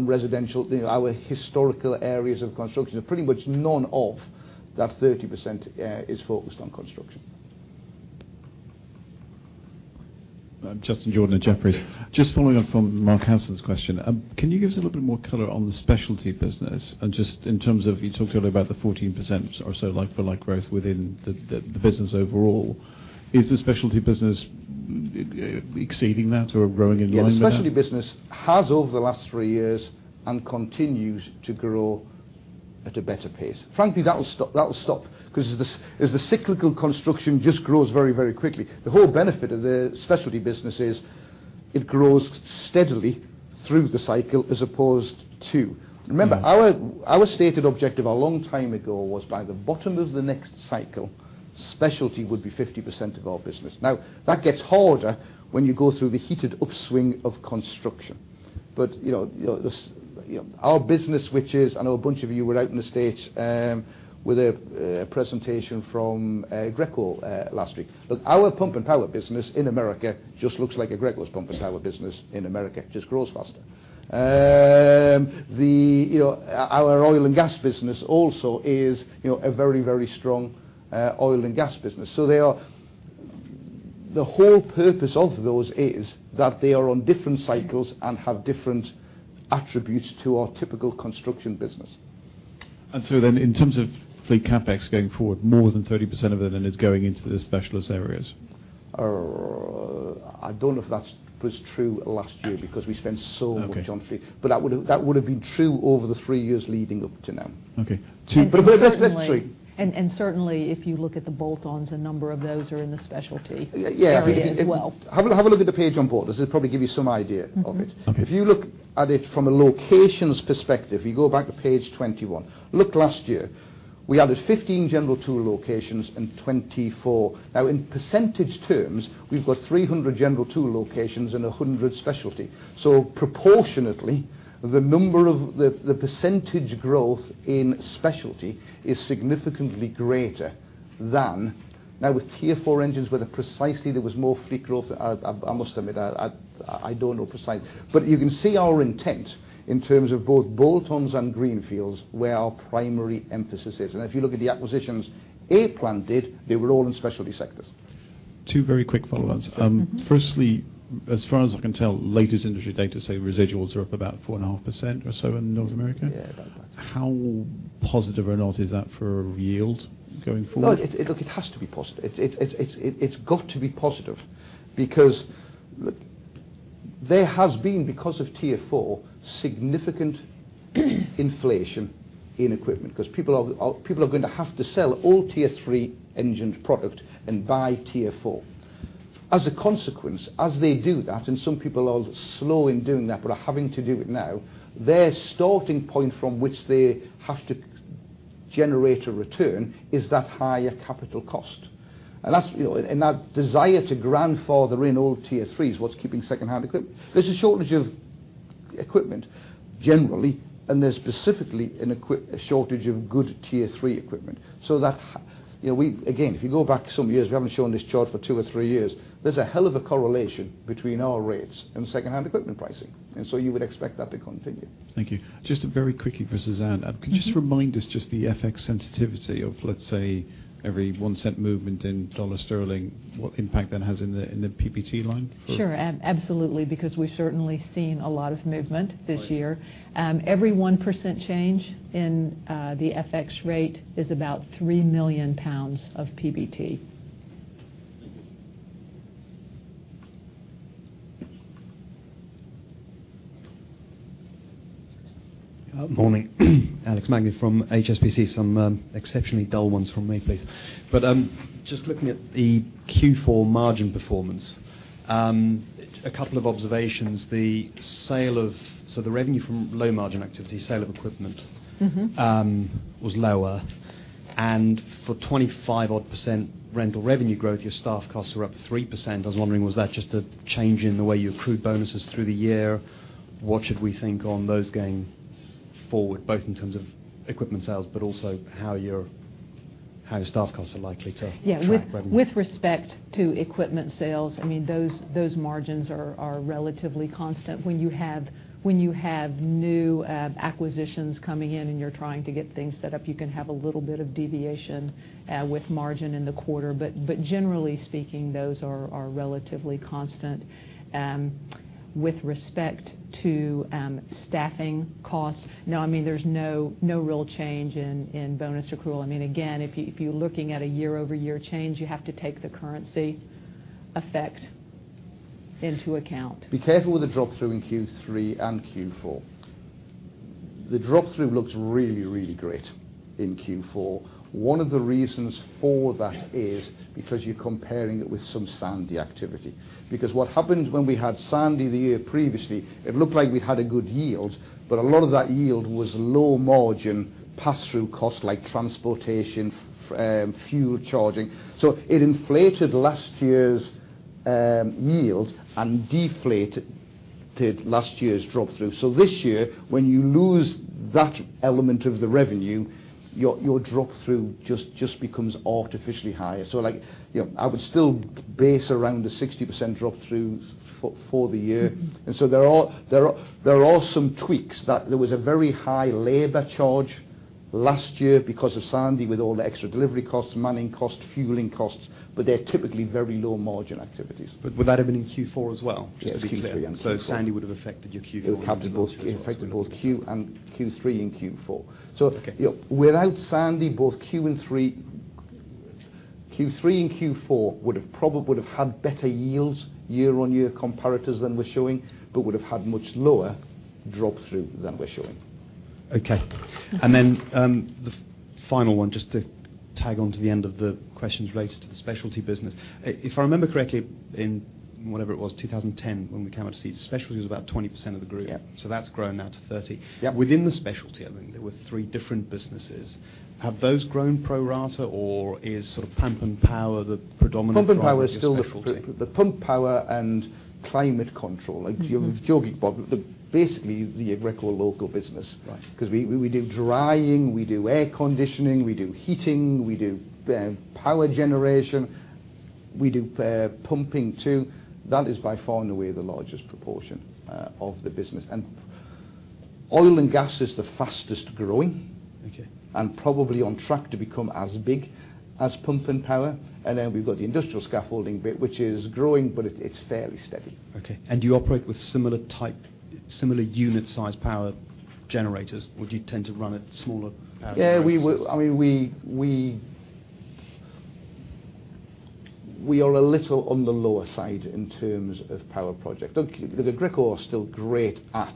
residential, our historical areas of construction. Pretty much none of that 30% is focused on construction. Justin Jordan at Jefferies. Just following up from Mark Harrison's question, can you give us a little bit more color on the specialty business? Just in terms of, you talked earlier about the 14% or so like-for-like growth within the business overall. Is the specialty business exceeding that or growing in line with that? Yeah. The specialty business has over the last three years, continues to grow at a better pace. Frankly, that'll stop, because as the cyclical construction just grows very quickly. The whole benefit of the specialty business is it grows steadily through the cycle as opposed to. Remember, our stated objective a long time ago was by the bottom of the next cycle, specialty would be 50% of our business. Now, that gets harder when you go through the heated upswing of construction. Our business, which is, I know a bunch of you were out in the U.S. with a presentation from Aggreko last week. Look, our pump and power business in America just looks like a Aggreko's pump and power business in America, just grows faster. Our oil and gas business also is a very strong oil and gas business. The whole purpose of those is that they are on different cycles and have different attributes to our typical construction business. In terms of fleet CapEx going forward, more than 30% of it then is going into the specialist areas? I don't know if that was true last year because we spent so much on fleet. Okay. That would've been true over the three years leading up to now. Okay. That's three. Certainly, if you look at the bolt-ons, a number of those are in the specialty area as well. Yeah. Have a look at the page on board. This will probably give you some idea of it. Okay. If you look at it from a locations perspective, if you go back to page 21. Look last year. We added 15 general tool locations and 24. In percentage terms, we've got 300 general tool locations and 100 specialty. Proportionately, the percentage growth in specialty is significantly greater than now with Tier 4 engines where precisely there was more fleet growth, I must admit, I don't know precisely. You can see our intent in terms of both bolt-ons and greenfields, where our primary emphasis is. If you look at the acquisitions A-Plant did, they were all in specialty sectors. Two very quick follow-ons. Firstly, as far as I can tell, latest industry data say residuals are up about 4.5% or so in North America. Yeah. About that. How positive or not is that for yield going forward? Look, it has to be positive. It's got to be positive because there has been, because of Tier 4, significant inflation in equipment because people are going to have to sell all Tier 3 engine product and buy Tier 4. As a consequence, as they do that, some people are slow in doing that but are having to do it now, their starting point from which they have to generate a return is that higher capital cost. That desire to grandfather in all Tier 3s, what's keeping secondhand equipment. There's a shortage of equipment generally, and there's specifically a shortage of good Tier 3 equipment. Again, if you go back some years, we haven't shown this chart for two or three years. There's a hell of a correlation between our rates and secondhand equipment pricing, you would expect that to continue. Thank you. Just very quickly for Suzanne. Can you just remind us just the FX sensitivity of, let's say, every $0.01 movement in dollar sterling, what impact that has in the PBT line for- Sure. Absolutely. We've certainly seen a lot of movement this year. Right. Every 1% change in the FX rate is about 3 million pounds of PBT. Thank you. Morning. Alex Magni from HSBC. Some exceptionally dull ones from me, please. Just looking at the Q4 margin performance. A couple of observations. The revenue from low margin activity, sale of equipment. was lower. For 25% odd rental revenue growth, your staff costs were up 3%. I was wondering, was that just a change in the way you accrued bonuses through the year? What should we think on those going forward, both in terms of equipment sales but also how your staff costs are likely to track revenue? With respect to equipment sales, those margins are relatively constant. When you have new acquisitions coming in and you're trying to get things set up, you can have a little bit of deviation with margin in the quarter. Generally speaking, those are relatively constant. With respect to staffing costs, no, there's no real change in bonus accrual. Again, if you're looking at a year-over-year change, you have to take the currency effect into account. Be careful with the drop-through in Q3 and Q4. The drop-through looks really great in Q4. One of the reasons for that is because you're comparing it with some Sandy activity. What happened when we had Sandy the year previously, it looked like we had a good yield, but a lot of that yield was low margin pass-through costs like transportation, fuel charging. It inflated last year's yield and deflated last year's drop-through. This year, when you lose that element of the revenue, your drop-through just becomes artificially higher. I would still base around the 60% drop-throughs for the year. There are some tweaks. There was a very high labor charge last year because of Sandy, with all the extra delivery costs, manning costs, fueling costs, but they're typically very low margin activities. Would that have been in Q4 as well? Just to be clear. Yeah, Q3 and Q4. Sandy would have affected your Q4 as well as It affected both Q3 and Q4. Okay. Without Sandy, both Q3 and Q4 would have probably had better yields year-on-year comparators than we're showing, but would have had much lower drop-through than we're showing. Okay. Then the final one, just to tag onto the end of the questions related to the specialty business. If I remember correctly, in whenever it was, 2010, when we came out to see you, specialty was about 20% of the group. Yeah. That's grown now to 30%. Yeah. Within the specialty element, there were three different businesses. Have those grown pro rata or is Pump and Power the predominant driver of your specialty? Pump and Power is still the Pump, Power, and Climate Control, like you were talking about, basically the Aggreko local business. Right. Because we do drying, we do air conditioning, we do heating, we do power generation, we do pumping too. That is by far and away the largest proportion of the business. Oil and gas is the fastest growing. Okay Probably on track to become as big as pump and power. Then we've got the industrial scaffolding bit, which is growing, but it's fairly steady. Okay. Do you operate with similar unit size power generators, or do you tend to run at smaller average sizes? We are a little on the lower side in terms of power project. The Aggreko are still great at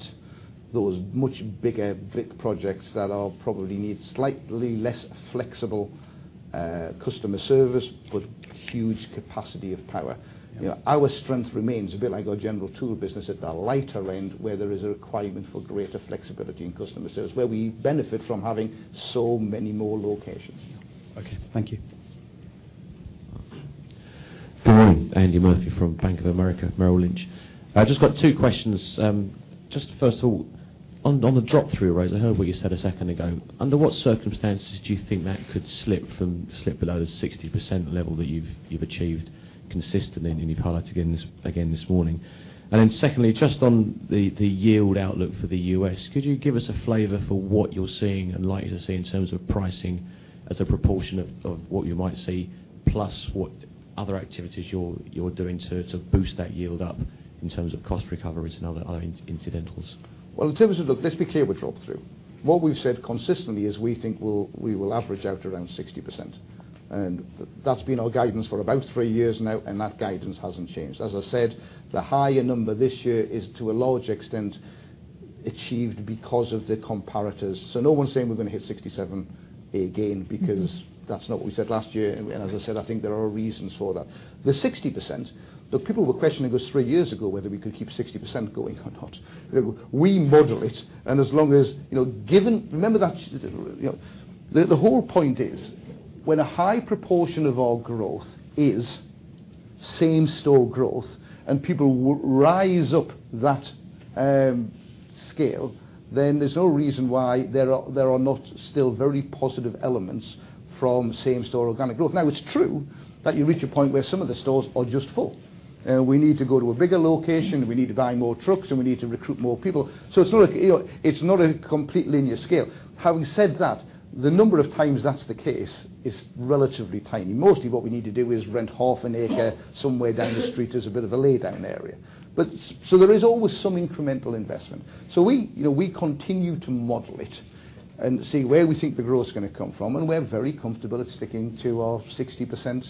those much bigger projects that probably need slightly less flexible customer service, but huge capacity of power. Yeah. Our strength remains a bit like our general tool business at the lighter end, where there is a requirement for greater flexibility in customer service, where we benefit from having so many more locations. Okay. Thank you. Good morning. Andrew Murphy from Bank of America Merrill Lynch. I've just got two questions. First of all, on the drop-through, Rose, I heard what you said a second ago. Under what circumstances do you think that could slip below the 60% level that you've achieved consistently, and you've highlighted again this morning? Secondly, just on the yield outlook for the U.S., could you give us a flavor for what you're seeing and likely to see in terms of pricing as a proportion of what you might see, plus what other activities you're doing to boost that yield up in terms of cost recoveries and other incidentals? Well, let's be clear with drop-through. What we've said consistently is we think we will average out around 60%. That's been our guidance for about three years now, and that guidance hasn't changed. As I said, the higher number this year is to a large extent achieved because of the comparators. No one's saying we're going to hit 67 again because that's not what we said last year, and as I said, I think there are reasons for that. The 60%, though people were questioning us three years ago whether we could keep 60% going or not. We model it. Remember that the whole point is when a high proportion of our growth is same-store growth and people rise up that scale, then there's no reason why there are not still very positive elements from same-store organic growth. It's true that you reach a point where some of the stores are just full. We need to go to a bigger location, we need to buy more trucks, and we need to recruit more people. It's not a complete linear scale. Having said that, the number of times that's the case is relatively tiny. Mostly what we need to do is rent half an acre somewhere down the street as a bit of a laydown area. There is always some incremental investment. We continue to model it and see where we think the growth is going to come from, and we're very comfortable at sticking to our 60%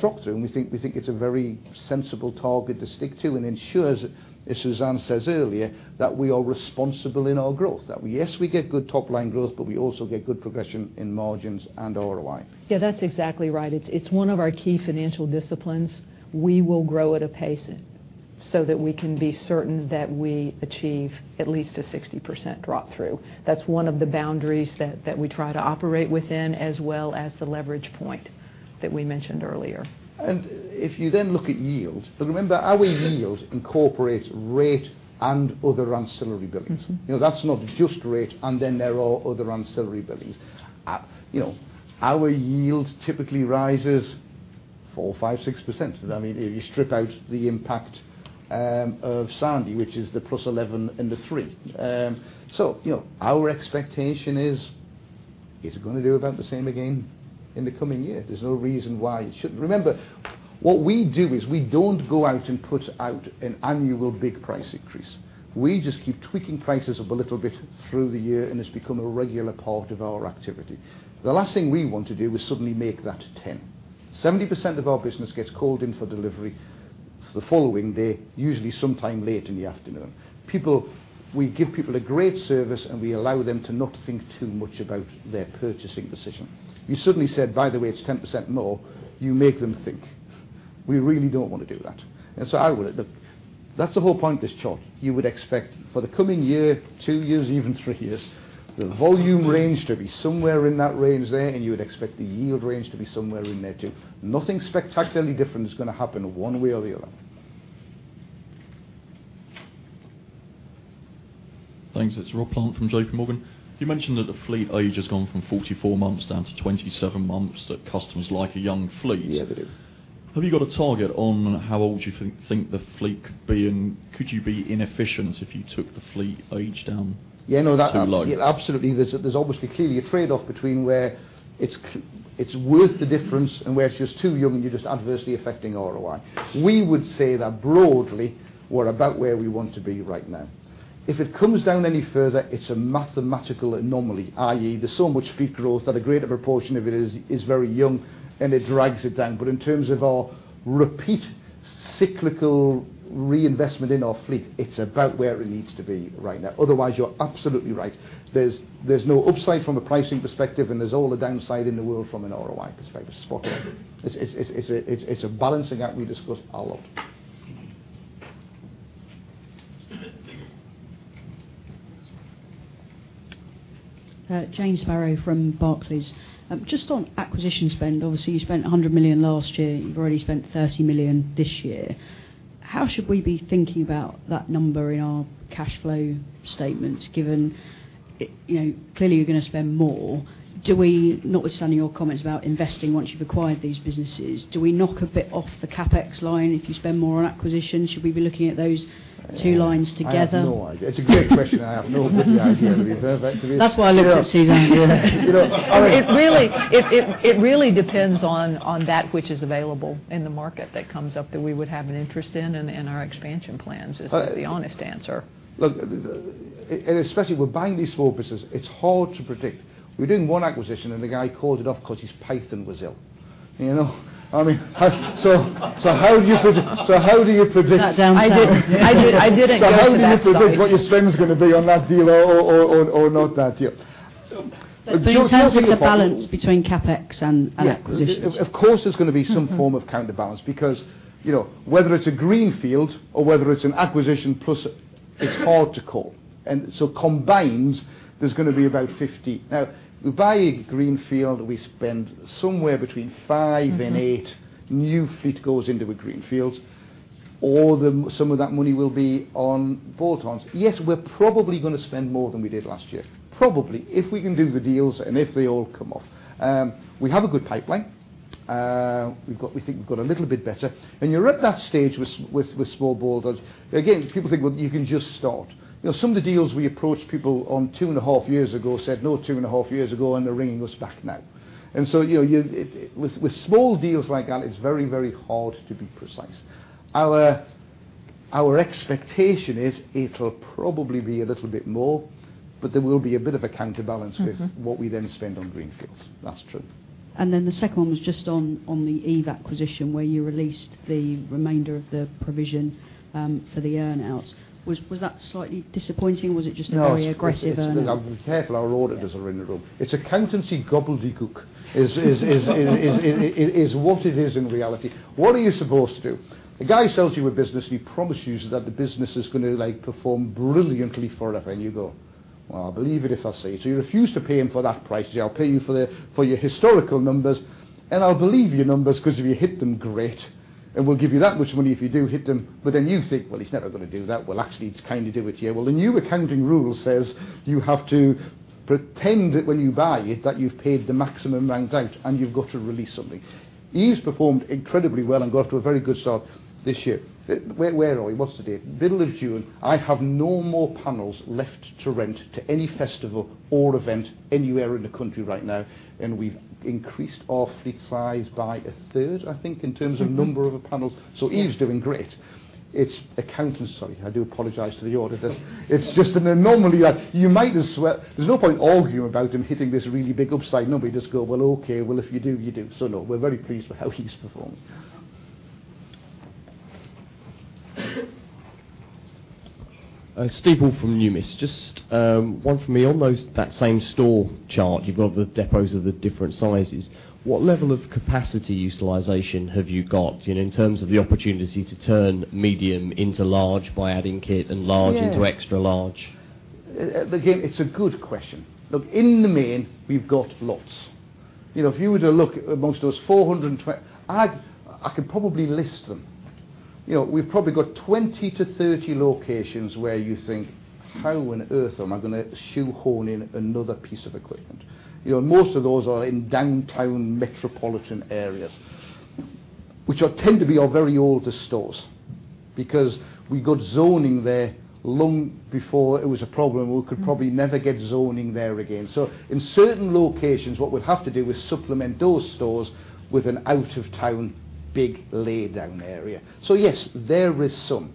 drop-through. We think it's a very sensible target to stick to and ensures, as Suzanne says earlier, that we are responsible in our growth. Yes, we get good top-line growth, we also get good progression in margins and ROI. Yeah, that's exactly right. It's one of our key financial disciplines. We will grow at a pace so that we can be certain that we achieve at least a 60% drop-through. That's one of the boundaries that we try to operate within, as well as the leverage point that we mentioned earlier. If you then look at yield, remember our yield incorporates rate and other ancillary billings. That's not just rate. There are other ancillary billings. Our yield typically rises 4%, 5%, 6%. If you strip out the impact of Hurricane Sandy, which is the +11 and the 3. Our expectation is it going to do about the same again in the coming year? There's no reason why it shouldn't. Remember, what we do is we don't go out and put out an annual big price increase. We just keep tweaking prices up a little bit through the year, and it's become a regular part of our activity. The last thing we want to do is suddenly make that 10%. 70% of our business gets called in for delivery the following day, usually sometime late in the afternoon. We give people a great service, and we allow them to not think too much about their purchasing decision. You suddenly said, "By the way, it's 10% more," you make them think. We really don't want to do that. That's the whole point of this chart. You would expect for the coming year, two years, even three years, the volume range to be somewhere in that range there, and you would expect the yield range to be somewhere in there, too. Nothing spectacularly different is going to happen one way or the other. Thanks. It's Rob Plant from JPMorgan. You mentioned that the fleet age has gone from 44 months down to 27 months, that customers like a young fleet. Yeah, they do. Have you got a target on how old you think the fleet could be and could you be inefficient if you took the fleet age down too low? Yeah. No, absolutely. There's obviously clearly a trade-off between where it's worth the difference and where it's just too young and you're just adversely affecting ROI. We would say that broadly, we're about where we want to be right now. If it comes down any further, it's a mathematical anomaly, i.e., there's so much fleet growth that a greater proportion of it is very young and it drags it down. In terms of our repeat cyclical reinvestment in our fleet, it's about where it needs to be right now. Otherwise, you're absolutely right. There's no upside from a pricing perspective, and there's all the downside in the world from an ROI perspective. Spot on. It's a balancing act we discuss a lot. Jane Sparrow from Barclays. Just on acquisition spend. Obviously, you spent 100 million last year. You've already spent 30 million this year. How should we be thinking about that number in our cash flow statements, given clearly you're going to spend more? Notwithstanding your comments about investing once you've acquired these businesses, do we knock a bit off the CapEx line if you spend more on acquisitions? Should we be looking at those two lines together? I have no idea. It's a great question. I have no bloody idea to be perfectly honest. That's why I look at Suzanne. You know, I mean It really depends on that which is available in the market that comes up that we would have an interest in and our expansion plans is the honest answer. Look, especially if we're buying these small businesses, it's hard to predict. We're doing one acquisition, and the guy called it off because his python was ill. how do you predict- That sounds like. I didn't go for that stock. How do you predict what your spend is going to be on that deal or not that deal? In terms of the balance between CapEx and acquisitions. Of course, there's going to be some form of counterbalance because whether it's a greenfield or whether it's an acquisition plus, it's hard to call. Combined, there's going to be about 50. Now, we buy a greenfield, we spend somewhere between five and eight new fleet goes into a greenfield, or some of that money will be on bolt-ons. Yes, we're probably going to spend more than we did last year. Probably. If we can do the deals and if they all come off. We have a good pipeline. We think we've got a little bit better. And you're at that stage with small orders. Again, people think, well, you can just start. Some of the deals we approached people on two and a half years ago said no two and a half years ago, and they're ringing us back now. With small deals like that, it's very hard to be precise. Our expectation is it'll probably be a little bit more, but there will be a bit of a counterbalance with what we then spend on greenfields. That's true. The second one was just on the Eve acquisition, where you released the remainder of the provision for the earn-outs. Was that slightly disappointing or was it just a very aggressive earn-out? No. Be careful, our auditors are in the room. It's accountancy gobbledygook is what it is in reality. What are you supposed to do? A guy sells you a business, he promises you that the business is going to perform brilliantly forever. You go, "Well, I'll believe it if I see it." You refuse to pay him for that price. You say, "I'll pay you for your historical numbers, and I'll believe your numbers because if you hit them, great. We'll give you that much money if you do hit them." You think, "Well, he's never going to do that. Well, actually, he's kind of do it." Yeah. Well, the new accounting rule says you have to pretend that when you buy it, that you've paid the maximum amount out and you've got to release something. Eve has performed incredibly well and got off to a very good start this year. Where are we? What's the date? Middle of June. I have no more panels left to rent to any festival or event anywhere in the country right now, and we've increased our fleet size by a third, I think, in terms of number of panels. Eve is doing great. It's accountancy. I do apologize to the auditors. It's just an anomaly. There's no point arguing about him hitting this really big upside. Nobody just go, "Well, okay. Well, if you do, you do." No, we're very pleased with how he's performed. Steve Woolf from Numis. Just one from me. On that same store chart, you've got the depots of the different sizes. What level of capacity utilization have you got in terms of the opportunity to turn medium into large by adding kit and large into extra large? Again, it's a good question. Look, in the main, we've got lots. If you were to look amongst those 412, I could probably list them. We've probably got 20 to 30 locations where you think, "How on earth am I going to shoehorn in another piece of equipment?" Most of those are in downtown metropolitan areas, which tend to be our very oldest stores. Because we got zoning there long before it was a problem, and we could probably never get zoning there again. In certain locations, what we'll have to do is supplement those stores with an out-of-town big laydown area. Yes, there is some.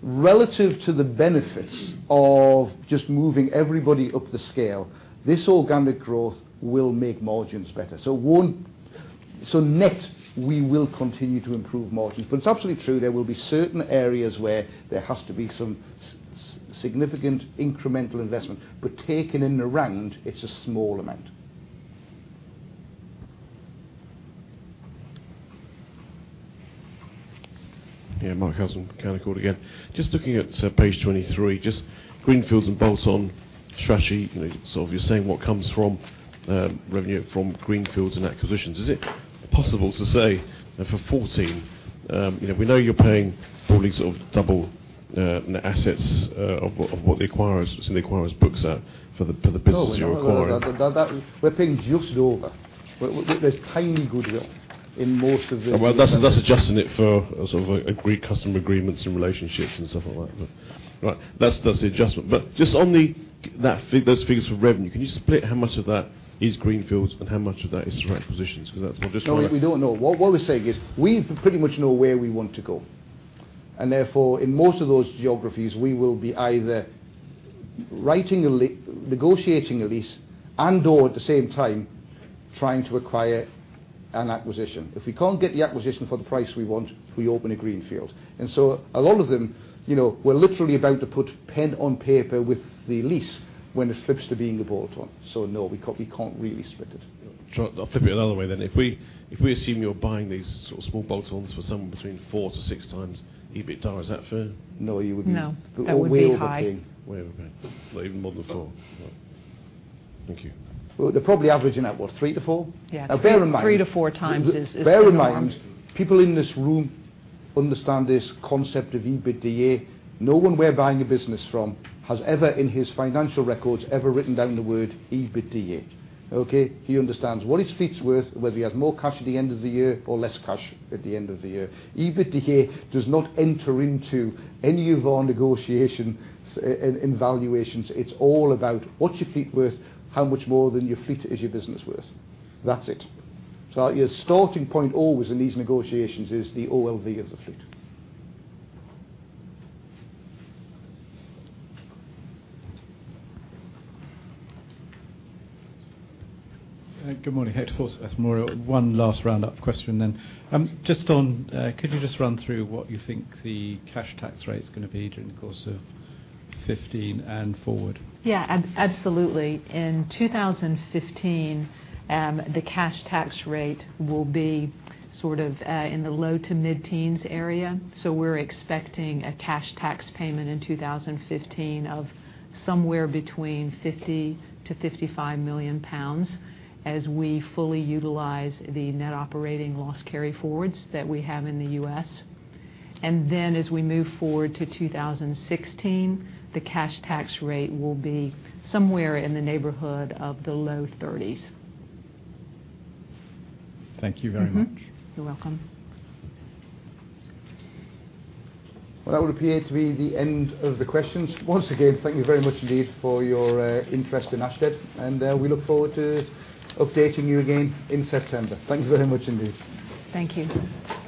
Relative to the benefits of just moving everybody up the scale, this organic growth will make margins better. Net, we will continue to improve margins. It's absolutely true, there will be certain areas where there has to be some significant incremental investment. Taken in the round, it's a small amount. Yeah. Mark Harrison, Canaccord again. Just looking at Page 23, just greenfields and bolt-on strategy. Obviously, you're saying what comes from revenue from greenfields and acquisitions. Is it possible to say for 2014, we know you're paying probably double net assets of what's in the acquirers' books for the businesses you're acquiring. No. We're paying just over. There's tiny goodwill in most of the- That's adjusting it for sort of customer agreements and relationships and stuff like that. Right. That's the adjustment. Just on those figures for revenue, can you split how much of that is greenfields and how much of that is from acquisitions? Because that's what I just want to- No, we don't know. What we're saying is we pretty much know where we want to go, therefore, in most of those geographies, we will be either writing a lease, negotiating a lease, and/or at the same time trying to acquire an acquisition. If we can't get the acquisition for the price we want, we open a greenfield. A lot of them, we're literally about to put pen on paper with the lease when it flips to being a bolt-on. No, we can't really split it. Sure. I'll flip it another way then. If we assume you're buying these sort of small bolt-ons for somewhere between four to six times EBITDA, is that fair? No, you would be- No. That would be high way overpaying. Way overpaying. Not even in the ball park. Thank you. Well, they're probably averaging at what? Three to four? Yeah. Now, bear in mind. Three to four times is more. Bear in mind, people in this room understand this concept of EBITDA. No one we're buying a business from has ever, in his financial records, ever written down the word EBITDA. Okay? He understands what his fleet's worth, whether he has more cash at the end of the year or less cash at the end of the year. EBITDA does not enter into any of our negotiation in valuations. It's all about what's your fleet worth, how much more than your fleet is your business worth. That's it. Your starting point always in these negotiations is the OLV of the fleet. Good morning. Ed Forbes, S&P Global. One last roundup question then. Could you just run through what you think the cash tax rate's going to be during the course of 2015 and forward? Yeah, absolutely. In 2015, the cash tax rate will be sort of in the low to mid-teens area. We're expecting a cash tax payment in 2015 of somewhere between 50 million to 55 million pounds as we fully utilize the net operating loss carryforwards that we have in the U.S. As we move forward to 2016, the cash tax rate will be somewhere in the neighborhood of the low 30s. Thank you very much. Mm-hmm. You're welcome. Well, that would appear to be the end of the questions. Once again, thank you very much indeed for your interest in Ashtead, and we look forward to updating you again in September. Thank you very much indeed. Thank you.